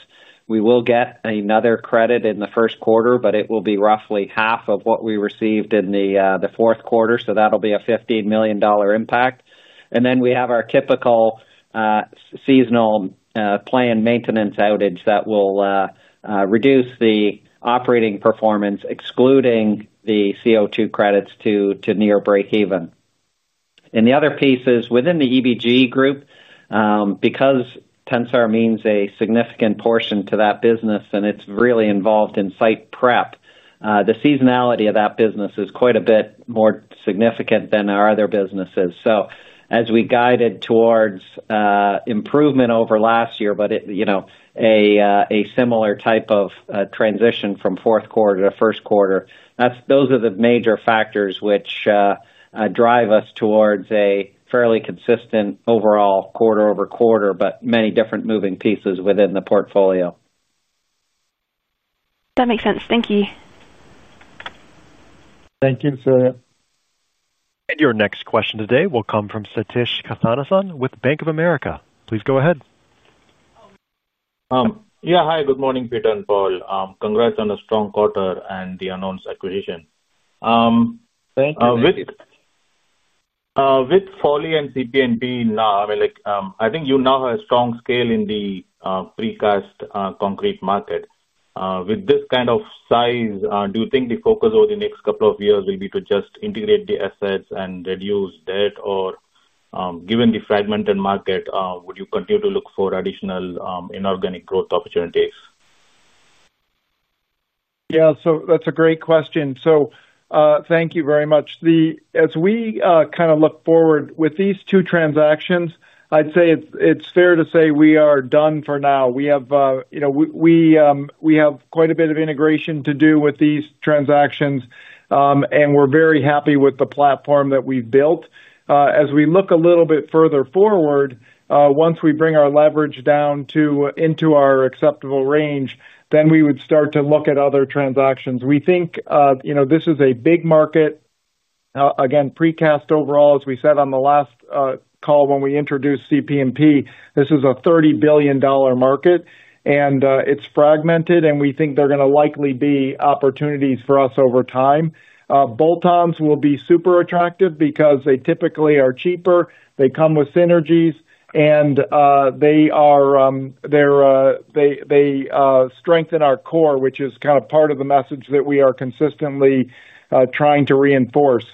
We will get another credit in the first quarter, but it will be roughly half of what we received in the fourth quarter, so that'll be a $15 million impact. We have our typical seasonal planned maintenance outage that will reduce the operating performance, excluding the CO2 credits to near breakeven. The other piece is within the EBG group, because TENSAR means a significant portion to that business and it's really involved in site prep, the seasonality of that business is quite a bit more significant than our other businesses. As we guided towards improvement over last year, but you know a similar type of transition from fourth quarter to first quarter, those are the major factors which drive us towards a fairly consistent overall quarter over quarter, but many different moving pieces within the portfolio. That makes sense. Thank you. Thank you, Cecilia. Your next question today will come from Sathish Kasinathan with Bank of America. Please go ahead. Yeah, hi, good morning, Peter and Paul. Congrats on a strong quarter and the announced acquisition. Thank you. Foley and CPMP now, I mean, I think you now have a strong scale in the precast concrete market. With this kind of size, do you think the focus over the next couple of years will be to just integrate the assets and reduce debt, or given the fragmented market, would you continue to look for additional inorganic growth opportunities? Yeah, that's a great question. Thank you very much. As we kind of look forward with these two transactions, I'd say it's fair to say we are done for now. We have quite a bit of integration to do with these transactions, and we're very happy with the platform that we've built. As we look a little bit further forward, once we bring our leverage down into our acceptable range, we would start to look at other transactions. We think this is a big market. Again, precast overall, as we said on the last call when we introduced CPMP, this is a $30 billion market, and it's fragmented, and we think there are going to likely be opportunities for us over time. Bolt-ons will be super attractive because they typically are cheaper, they come with synergies, and they strengthen our core, which is kind of part of the message that we are consistently trying to reinforce.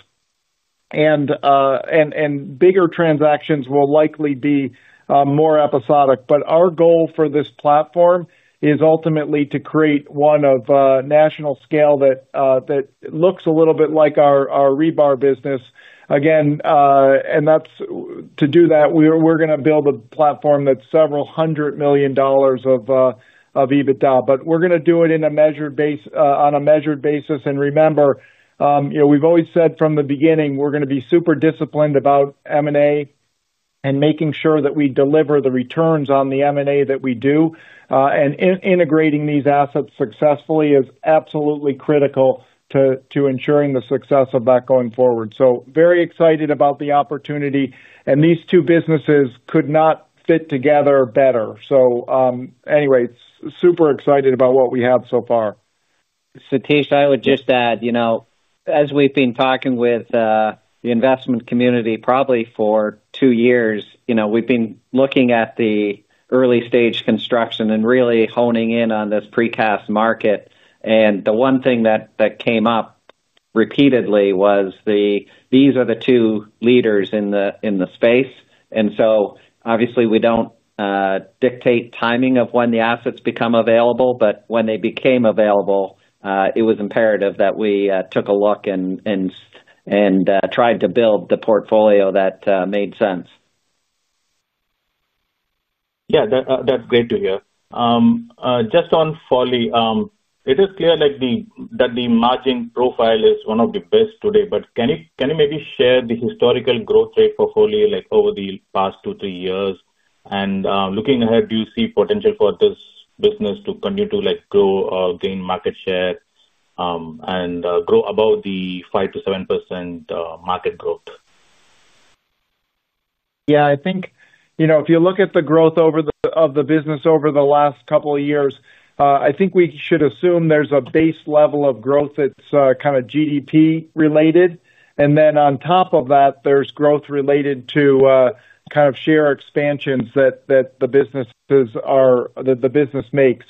Bigger transactions will likely be more episodic, but our goal for this platform is ultimately to create one of national scale that looks a little bit like our rebar business. Again, to do that, we're going to build a platform that's several hundred million dollars of EBITDA, but we're going to do it on a measured basis. Remember, we've always said from the beginning we're going to be super disciplined about M&A and making sure that we deliver the returns on the M&A that we do, and integrating these assets successfully is absolutely critical to ensuring the success of that going forward. Very excited about the opportunity, and these two businesses could not fit together better. Anyway, super excited about what we have so far. Sathish, I would just add, you know, as we've been talking with the investment community probably for two years, we've been looking at the early-stage construction and really honing in on this precast market. The one thing that came up repeatedly was these are the two leaders in the space. Obviously, we don't dictate timing of when the assets become available, but when they became available, it was imperative that we took a look and tried to build the portfolio that made sense. Yeah, that's great to hear. Just on Foley, it is clear that the margin profile is one of the best today, but can you maybe share the historical growth rate for Foley over the past two, three years? Looking ahead, do you see potential for this business to continue to grow, gain market share, and grow above the 5% - 7% market growth? I think, you know, if you look at the growth of the business over the last couple of years, I think we should assume there's a base level of growth that's kind of GDP-related. Then on top of that, there's growth related to kind of share expansions that the business makes.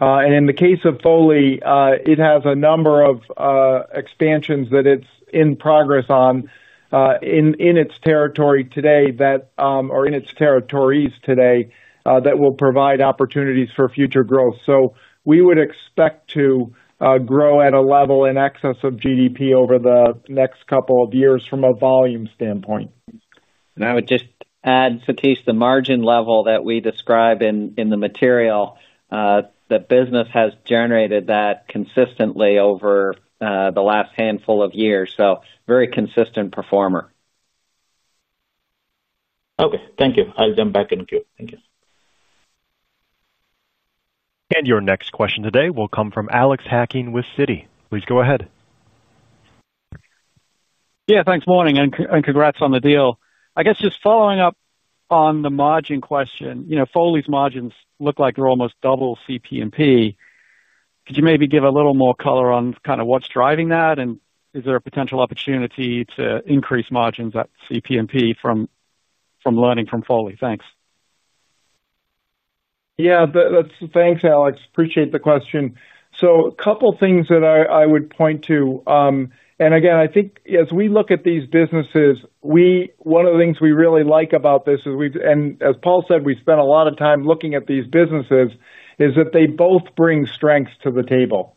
In the case of Foley, it has a number of expansions that it's in progress on in its territories today that will provide opportunities for future growth. We would expect to grow at a level in excess of GDP over the next couple of years from a volume standpoint. I would just add, Sathish, the margin level that we describe in the material, the business has generated that consistently over the last handful of years. It is a very consistent performer. Okay, thank you. I'll jump back in the queue. Thank you. Your next question today will come from Alex Hacking with Citi. Please go ahead. Yeah, thanks, morning, and congrats on the deal. I guess just following up on the margin question, you know, Foley's margins look like they're almost double CPMP. Could you maybe give a little more color on kind of what's driving that, and is there a potential opportunity to increase margins at CPMP from learning from Foley? Thanks. Yeah, thanks, Alex. Appreciate the question. A couple of things that I would point to. Again, I think as we look at these businesses, one of the things we really like about this is, and as Paul said, we spent a lot of time looking at these businesses, is that they both bring strengths to the table.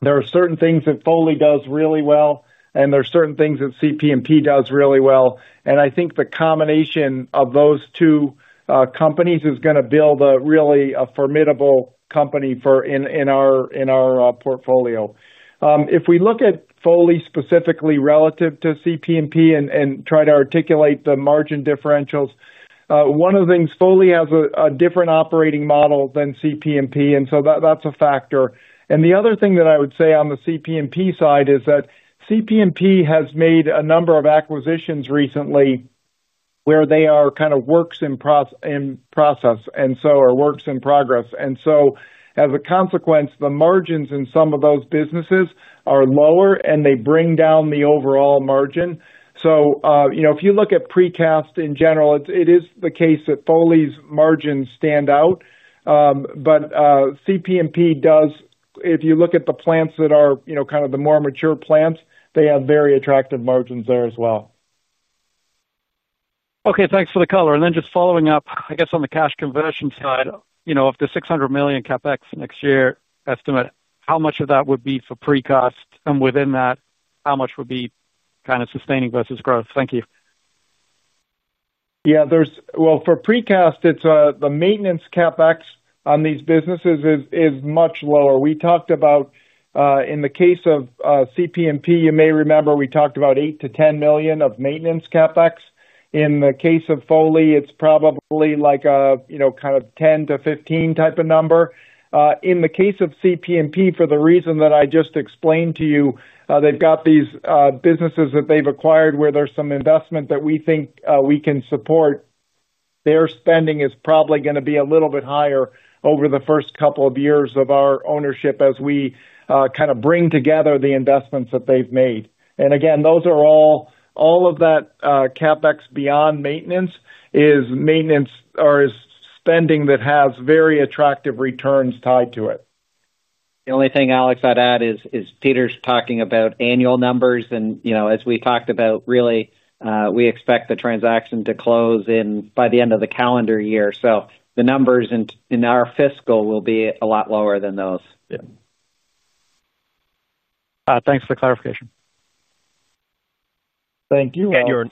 There are certain things that Foley does really well, and there are certain things that CPMP does really well. I think the combination of those two companies is going to build a really formidable company in our portfolio. If we look at Foley specifically relative to CPMP and try to articulate the margin differentials, one of the things, Foley has a different operating model than CPMP, and that's a factor. The other thing that I would say on the CPMP side is that CPMP has made a number of acquisitions recently where they are kind of works in process, or works in progress. As a consequence, the margins in some of those businesses are lower, and they bring down the overall margin. If you look at precast in general, it is the case that Foley's margins stand out. CPMP does, if you look at the plants that are kind of the more mature plants, they have very attractive margins there as well. Okay, thanks for the color. Then just following up, I guess on the cash conversion side, you know, if the $600 million CapEx next year estimate, how much of that would be for precast, and within that, how much would be kind of sustaining versus growth? Thank you. For precast, the maintenance CapEx on these businesses is much lower. We talked about, in the case of CPMP, you may remember we talked about $8 million - $10 million of maintenance CapEx. In the case of Foley, it's probably like a kind of $10 million - $15 million type of number. In the case of CPMP, for the reason that I just explained to you, they've got these businesses that they've acquired where there's some investment that we think we can support. Their spending is probably going to be a little bit higher over the first couple of years of our ownership as we kind of bring together the investments that they've made. Again, all of that CapEx beyond maintenance is maintenance or is spending that has very attractive returns tied to it. The only thing, Alex, I'd add is Peter's talking about annual numbers, and as we talked about, really, we expect the transaction to close by the end of the calendar year. The numbers in our fiscal will be a lot lower than those. Thanks for the clarification. Thank you.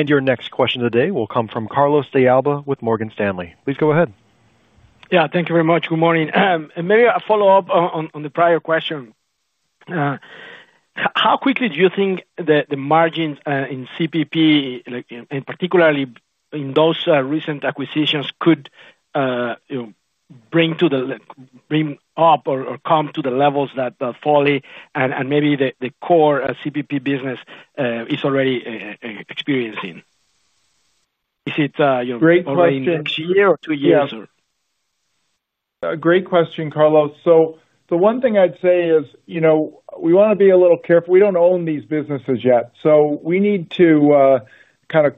Your next question today will come from Carlos de Alba with Morgan Stanley. Please go ahead. Thank you very much. Good morning. Maybe a follow-up on the prior question. How quickly do you think that the margins in CPMP, and particularly in those recent acquisitions, could bring up or come to the levels that Foley and maybe the core CPMP business is already experiencing? Is it already in the next year or two years? Great question, Carlos. The one thing I'd say is, you know, we want to be a little careful. We don't own these businesses yet. We need to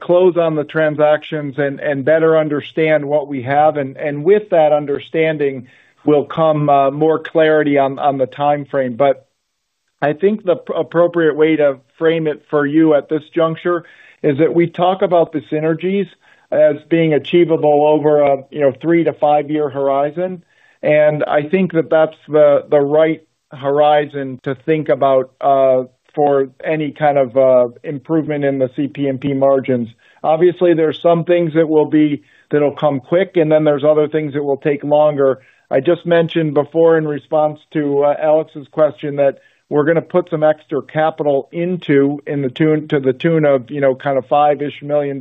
close on the transactions and better understand what we have, and with that understanding will come more clarity on the timeframe. I think the appropriate way to frame it for you at this juncture is that we talk about the synergies as being achievable over a three to five-year horizon. I think that that's the right horizon to think about for any kind of improvement in the CPMP margins. Obviously, there are some things that will come quick, and then there are other things that will take longer. I just mentioned before in response to Alex's question that we're going to put some extra capital into, to the tune of kind of $5 million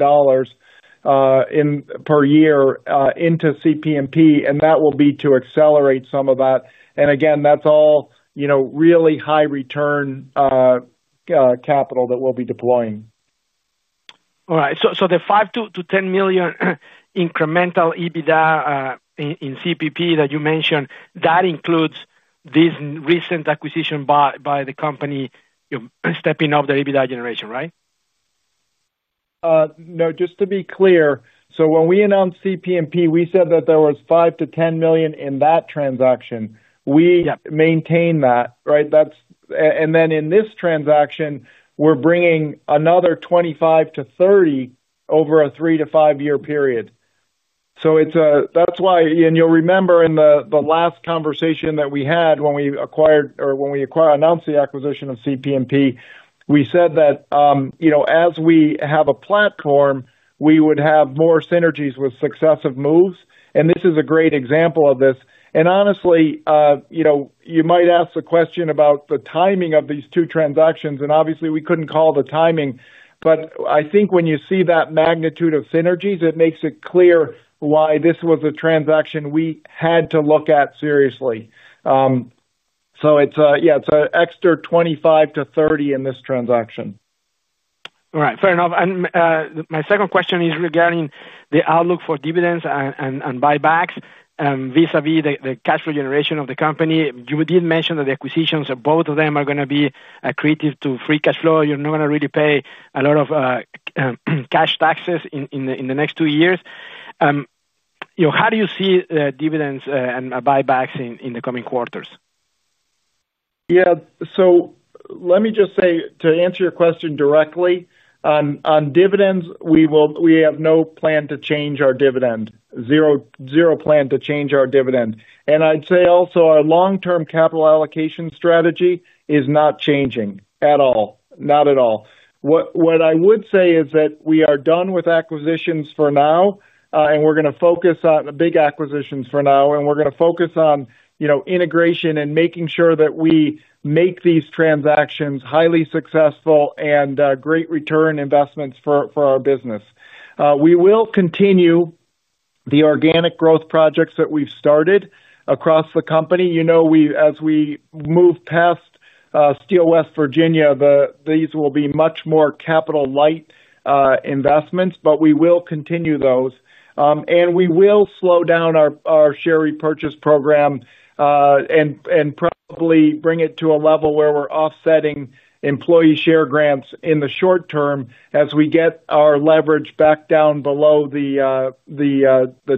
per year into CPMP, and that will be to accelerate some of that. Again, that's all really high-return capital that we'll be deploying. All right. The $5 million - $10 million incremental EBITDA in CPMP that you mentioned, that includes this recent acquisition by the company stepping up the EBITDA generation, right? No, just to be clear, when we announced CPMP, we said that there was $5 million - $10 million in that transaction. We maintain that, right? In this transaction, we're bringing another $25 million - $30 million over a three to five-year period. That is why, and you'll remember in the last conversation that we had when we acquired or when we announced the acquisition of CPMP, we said that, you know, as we have a platform, we would have more synergies with successive moves. This is a great example of this. Honestly, you might ask the question about the timing of these two transactions, and obviously we couldn't call the timing. I think when you see that magnitude of synergies, it makes it clear why this was a transaction we had to look at seriously. It's an extra $25 million - $30 million in this transaction. All right, fair enough. My second question is regarding the outlook for dividends and buybacks vis-à-vis the cash flow generation of the company. You did mention that the acquisitions of both of them are going to be accretive to free cash flow. You're not going to really pay a lot of cash taxes in the next two years. How do you see dividends and buybacks in the coming quarters? Let me just say to answer your question directly, on dividends, we have no plan to change our dividend, zero plan to change our dividend. I'd say also our long-term capital allocation strategy is not changing at all, not at all. What I would say is that we are done with acquisitions for now, and we are going to focus on big acquisitions for now, and we are going to focus on integration and making sure that we make these transactions highly successful and great return investments for our business. We will continue the organic growth projects that we've started across the company. As we move past Steel West Virginia, these will be much more capital-light investments, but we will continue those. We will slow down our share repurchase program and probably bring it to a level where we're offsetting employee share grants in the short term as we get our leverage back down below the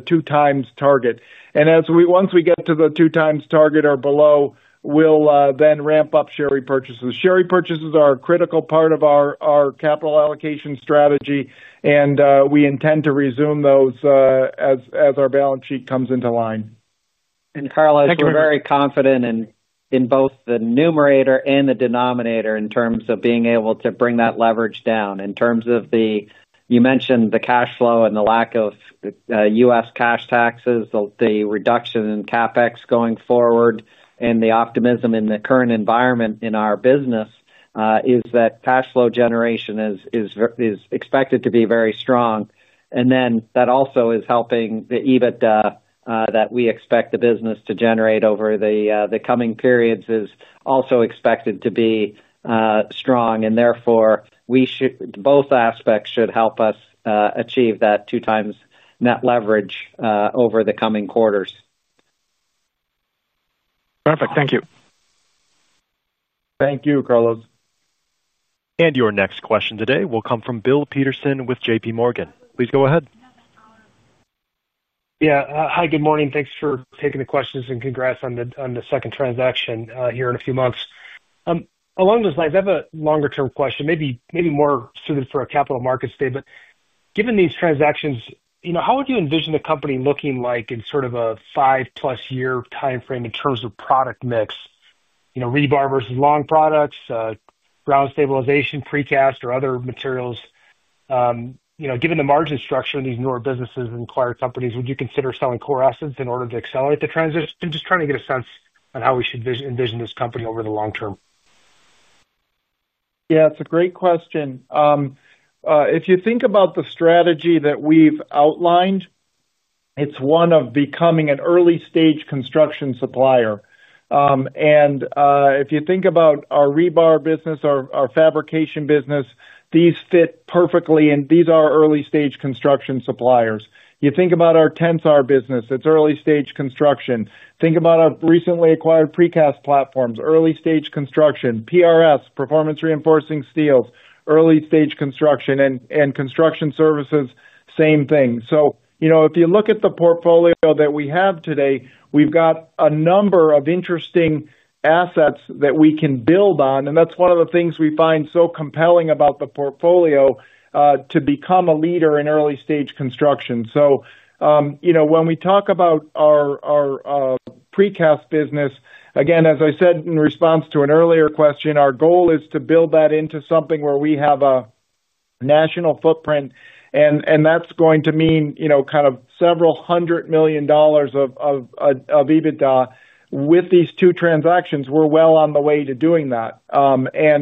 two times target. Once we get to the two times target or below, we'll then ramp up share repurchases. Share repurchases are a critical part of our capital allocation strategy, and we intend to resume those as our balance sheet comes into line. You are very confident in both the numerator and the denominator in terms of being able to bring that leverage down. In terms of the cash flow and the lack of U.S. cash taxes, the reduction in CapEx going forward, and the optimism in the current environment in our business, cash flow generation is expected to be very strong. That also is helping the EBITDA that we expect the business to generate over the coming periods, which is also expected to be strong. Therefore, both aspects should help us achieve that 2x net leverage over the coming quarters. Perfect, thank you. Thank you, Carlos. Your next question today will come from Bill Peterson with JPMorgan. Please go ahead. Yeah, hi, good morning. Thanks for taking the questions, and congrats on the second transaction here in a few months. Along those lines, I have a longer-term question, maybe more suited for a capital markets day, but given these transactions, how would you envision the company looking like in sort of a five-plus year timeframe in terms of product mix? Rebar versus long products, ground stabilization, precast, or other materials. Given the margin structure in these newer businesses and acquired companies, would you consider selling core assets in order to accelerate the transition? Just trying to get a sense on how we should envision this company over the long term. Yeah, it's a great question. If you think about the strategy that we've outlined, it's one of becoming an early-stage construction supplier. If you think about our rebar business, our fabrication business, these fit perfectly, and these are early-stage construction suppliers. You think about our Tensar business, it's early-stage construction. Think about our recently acquired precast platforms, early-stage construction, PRS, Performance Reinforcing Steel, early-stage construction, and Construction Services, same thing. If you look at the portfolio that we have today, we've got a number of interesting assets that we can build on, and that's one of the things we find so compelling about the portfolio to become a leader in early-stage construction. When we talk about our precast business, again, as I said in response to an earlier question, our goal is to build that into something where we have a national footprint, and that's going to mean several hundred million dollars of EBITDA. With these two transactions, we're well on the way to doing that.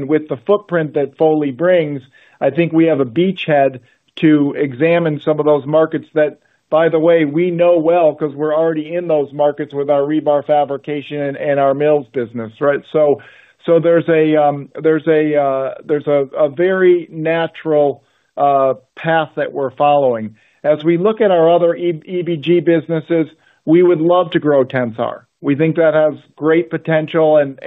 With the footprint that Foley brings, I think we have a beachhead to examine some of those markets that, by the way, we know well because we're already in those markets with our rebar fabrication and our mills business, right? There's a very natural path that we're following. As we look at our other EBG businesses, we would love to grow Tensar. We think that has great potential, and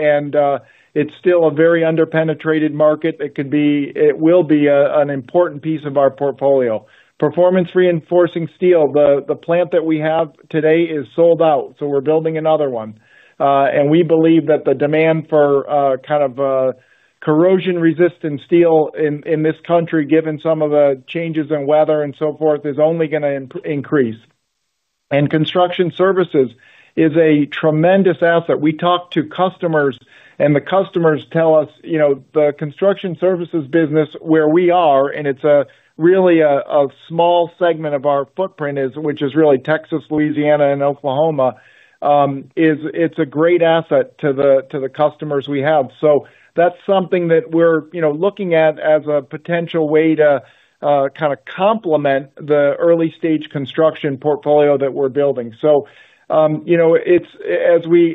it's still a very underpenetrated market. It will be an important piece of our portfolio. Performance Reinforcing Steel, the plant that we have today is sold out, so we're building another one. We believe that the demand for kind of corrosion-resistant steel in this country, given some of the changes in weather and so forth, is only going to increase. Construction Services is a tremendous asset. We talk to customers, and the customers tell us the Construction Services business where we are, and it's really a small segment of our footprint, which is really Texas, Louisiana, and Oklahoma, it's a great asset to the customers we have. That's something that we're looking at as a potential way to kind of complement the early-stage construction portfolio that we're building. As we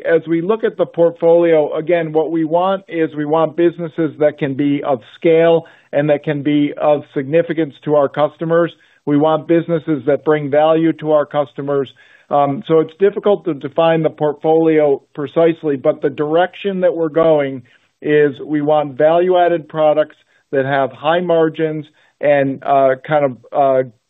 look at the portfolio, again, what we want is we want businesses that can be of scale and that can be of significance to our customers. We want businesses that bring value to our customers. It's difficult to define the portfolio precisely, but the direction that we're going is we want value-added products that have high margins and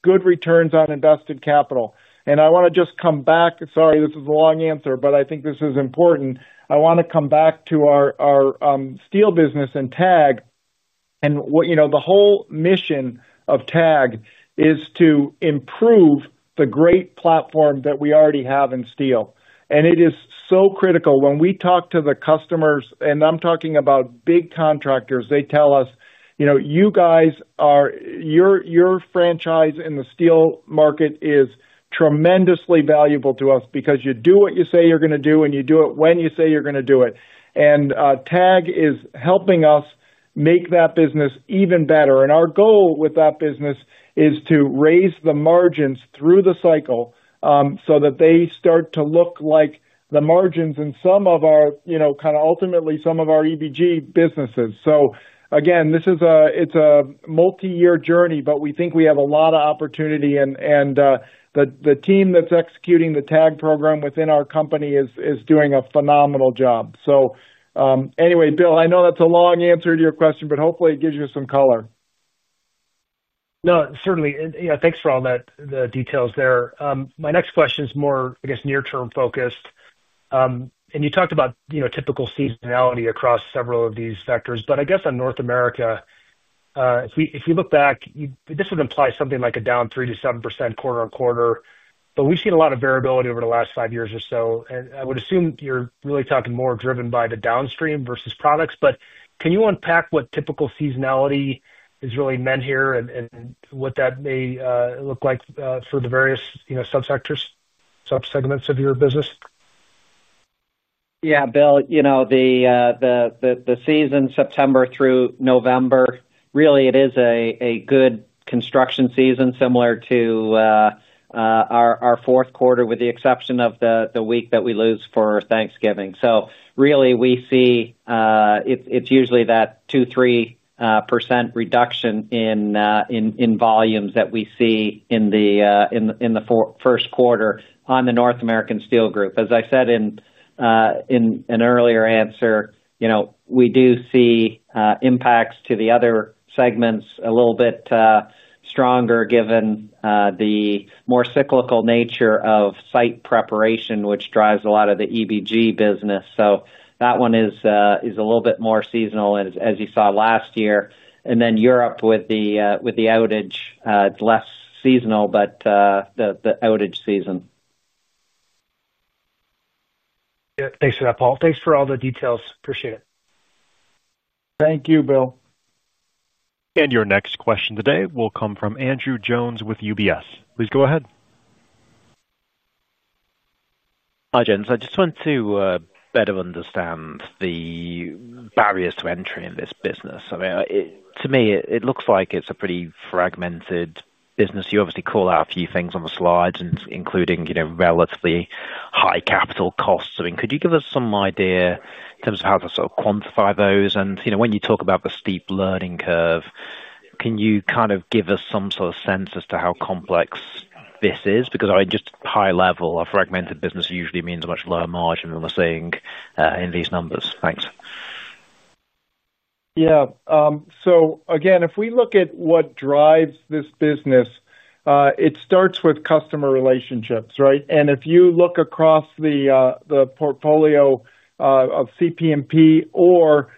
good returns on invested capital. I want to just come back, sorry, this is a long answer, but I think this is important. I want to come back to our steel business and TAG. The whole mission of TAG is to improve the great platform that we already have in steel. It is so critical when we talk to the customers, and I'm talking about big contractors, they tell us, you know, you guys are, your franchise in the steel market is tremendously valuable to us because you do what you say you're going to do, and you do it when you say you're going to do it. TAG is helping us make that business even better. Our goal with that business is to raise the margins through the cycle so that they start to look like the margins in some of our, you know, ultimately some of our EBG businesses. It's a multi-year journey, but we think we have a lot of opportunity, and the team that's executing the TAG program within our company is doing a phenomenal job. Anyway, Bill, I know that's a long answer to your question, but hopefully it gives you some color. No, certainly. Yeah, thanks for all the details there. My next question is more, I guess, near-term focused. You talked about, you know, typical seasonality across several of these sectors. I guess on North America, if we look back, this would imply something like a down 3% - 7% quarter on quarter. We've seen a lot of variability over the last five years or so. I would assume you're really talking more driven by the downstream versus products. Can you unpack what typical seasonality is really meant here and what that may look like for the various, you know, subsectors, subsegments of your business? Yeah, Bill, the season, September through November, really, it is a good construction season, similar to our fourth quarter, with the exception of the week that we lose for Thanksgiving. We see it's usually that 2% - 3% reduction in volumes that we see in the first quarter on the North America Steel Group. As I said in an earlier answer, we do see impacts to the other segments a little bit stronger, given the more cyclical nature of site preparation, which drives a lot of the EBG business. That one is a little bit more seasonal, as you saw last year. Europe, with the outage, it's less seasonal, but the outage season. Yeah, thanks for that, Paul. Thanks for all the details. Appreciate it. Thank you, Bill. Your next question today will come from Andrew Jones with UBS. Please go ahead. Hi, James. I just want to better understand the barriers to entry in this business. I mean, to me, it looks like it's a pretty fragmented business. You obviously call out a few things on the slides, including, you know, relatively high capital costs. Could you give us some idea in terms of how to sort of quantify those? When you talk about the steep learning curve, can you kind of give us some sort of sense as to how complex this is? Because I just, high level, a fragmented business usually means a much lower margin than we're seeing in these numbers. Thanks. Yeah. If we look at what drives this business, it starts with customer relationships, right? If you look across the portfolio of CPMP or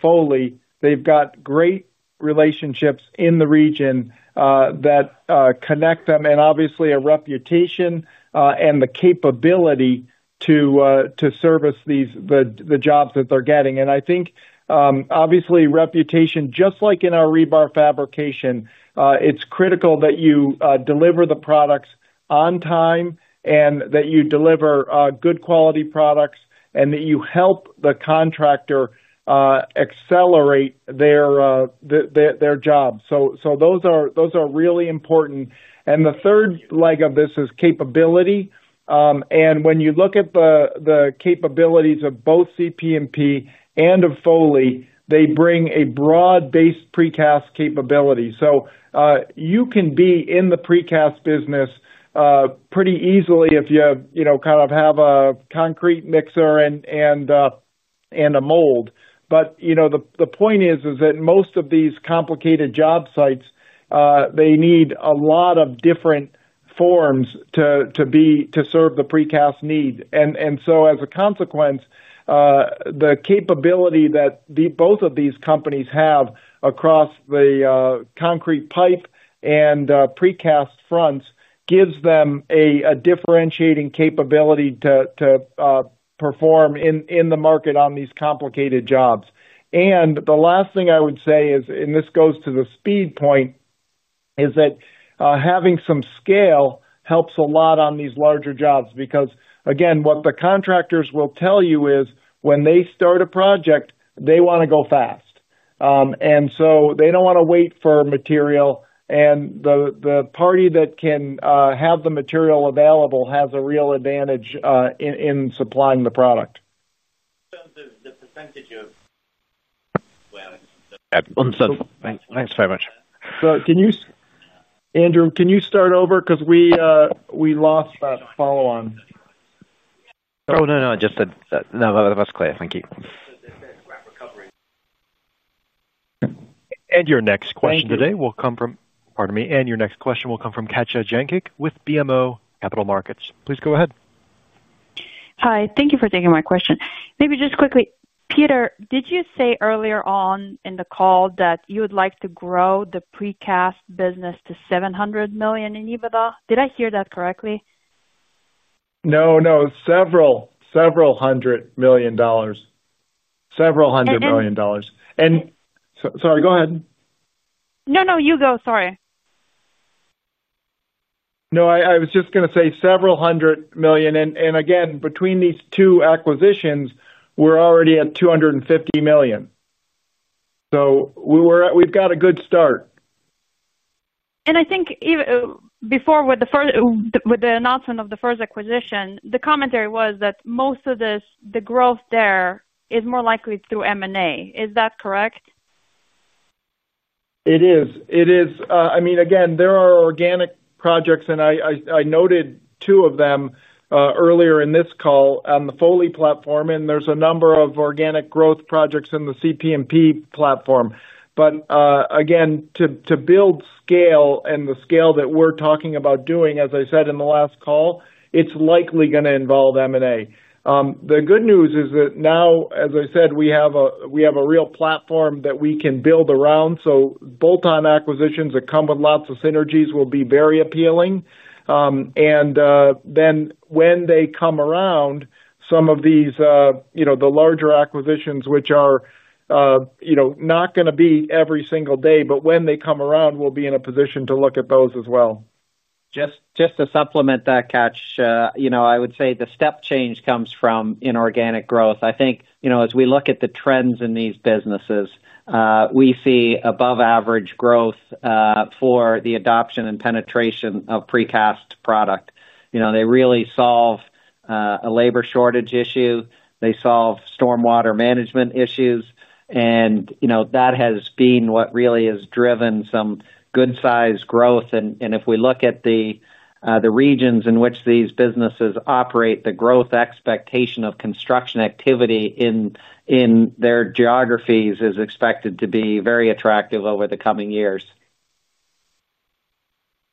Foley, they've got great relationships in the region that connect them, and obviously a reputation and the capability to service the jobs that they're getting. I think, obviously, reputation, just like in our rebar fabrication, it's critical that you deliver the products on time and that you deliver good quality products and that you help the contractor accelerate their job. Those are really important. The third leg of this is capability. When you look at the capabilities of both CPMP and of Foley, they bring a broad-based precast capability. You can be in the precast business pretty easily if you kind of have a concrete mixer and a mold. The point is that most of these complicated job sites need a lot of different forms to serve the precast need. As a consequence, the capability that both of these companies have across the concrete pipe and precast fronts gives them a differentiating capability to perform in the market on these complicated jobs. The last thing I would say is, and this goes to the speed point, having some scale helps a lot on these larger jobs because what the contractors will tell you is when they start a project, they want to go fast. They don't want to wait for material. The party that can have the material available has a real advantage in supplying the product. Thanks very much. Andrew, can you start over? We lost that follow-on. No, no. Just that. No, that was clear. Thank you. Your next question will come from Katja Jancic with BMO Capital Markets. Please go ahead. Hi. Thank you for taking my question. Maybe just quickly, Peter, did you say earlier on in the call that you would like to grow the precast business to $700 million in EBITDA? Did I hear that correctly? Several hundred million dollars. Several hundred million dollars. Sorry, go ahead. No, you go. Sorry. I was just going to say several hundred million. Again, between these two acquisitions, we're already at $250 million. We've got a good start. I think even before, with the announcement of the first acquisition, the commentary was that most of this, the growth there is more likely through M&A. Is that correct? It is. I mean, again, there are organic projects, and I noted two of them earlier in this call on the Foley platform. There are a number of organic growth projects in the CPMP platform. Again, to build scale and the scale that we're talking about doing, as I said in the last call, it's likely going to involve M&A. The good news is that now, as I said, we have a real platform that we can build around. Bolt-on acquisitions that come with lots of synergies will be very appealing. When they come around, some of these, you know, the larger acquisitions, which are not going to be every single day, when they come around, we'll be in a position to look at those as well. Just to supplement that, Katja, you know, I would say the step change comes from inorganic growth. I think, you know, as we look at the trends in these businesses, we see above-average growth for the adoption and penetration of precast product. They really solve a labor shortage issue. They solve stormwater management issues. That has been what really has driven some good-sized growth. If we look at the regions in which these businesses operate, the growth expectation of construction activity in their geographies is expected to be very attractive over the coming years.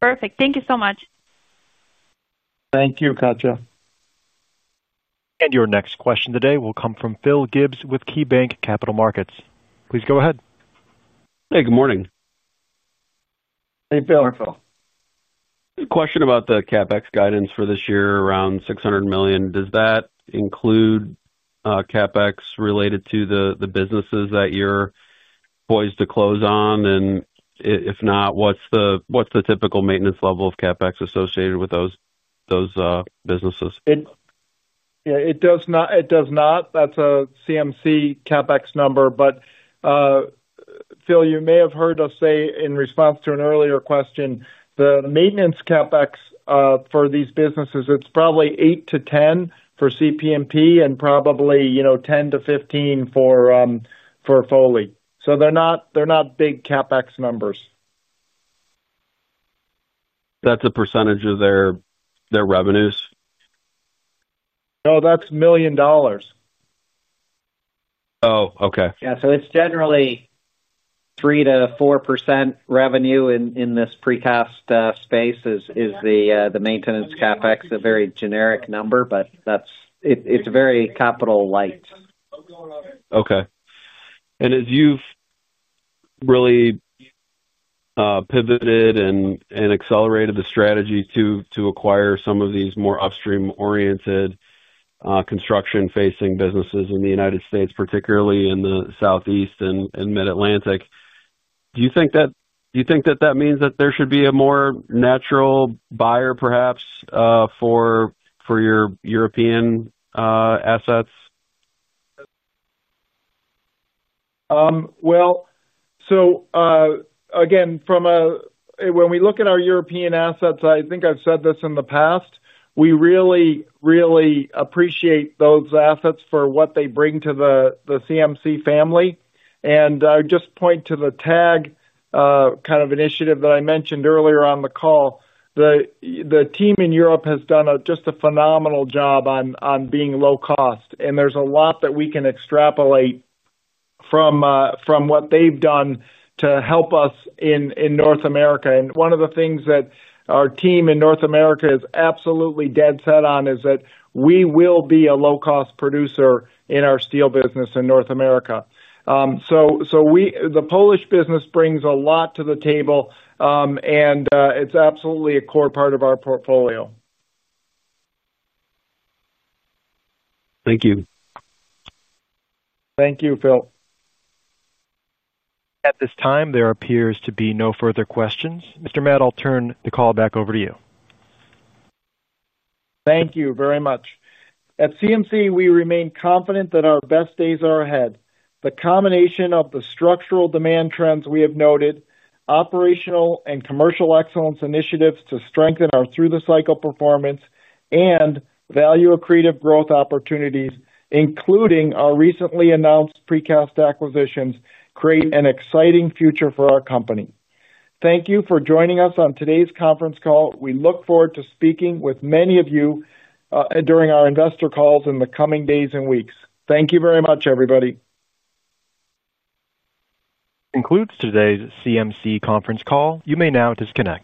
Perfect. Thank you so much. Thank you, Katja. Your next question today will come from Phil Gibbs with KeyBanc Capital Markets. Please go ahead. Hey, good morning. Hey, Phil. Hi, Phil. Question about the CapEx guidance for this year, around $600 million. Does that include CapEx related to the businesses that you're poised to close on? If not, what's the typical maintenance level of CapEx associated with those businesses? Yeah, it does not. That's a CMC CapEx number. Phil, you may have heard us say in response to an earlier question, the maintenance CapEx for these businesses is probably $8 million - $10 million for CPMP and probably, you know, $10 million - $15 million for Foley. They're not big CapEx numbers. That's a % of their revenues? No, that's $1 million. Oh, okay. Yeah, it's generally 3% - 4% revenue in this precast space is the maintenance CapEx, a very generic number, but it's very capital-light. As you've really pivoted and accelerated the strategy to acquire some of these more upstream-oriented construction-facing businesses in the U.S., particularly in the Southeast and Mid-Atlantic, do you think that that means there should be a more natural buyer, perhaps, for your European assets? When we look at our European assets, I think I've said this in the past, we really, really appreciate those assets for what they bring to the CMC family. I would just point to the TAG program initiative that I mentioned earlier on the call. The team in Europe has done just a phenomenal job on being low-cost. There's a lot that we can extrapolate from what they've done to help us in North America. One of the things that our team in North America is absolutely dead set on is that we will be a low-cost producer in our steel business in North America. The Polish business brings a lot to the table, and it's absolutely a core part of our portfolio. Thank you. Thank you, Phil Gibbs. At this time, there appears to be no further questions. Mr. Matt, I'll turn the call back over to you. Thank you very much. At CMC, we remain confident that our best days are ahead. The combination of the structural demand trends we have noted, operational and commercial excellence initiatives to strengthen our through-the-cycle performance, and value of creative growth opportunities, including our recently announced precast acquisitions, create an exciting future for our company. Thank you for joining us on today's conference call. We look forward to speaking with many of you during our investor calls in the coming days and weeks. Thank you very much, everybody. Concludes today's CMC conference call. You may now disconnect.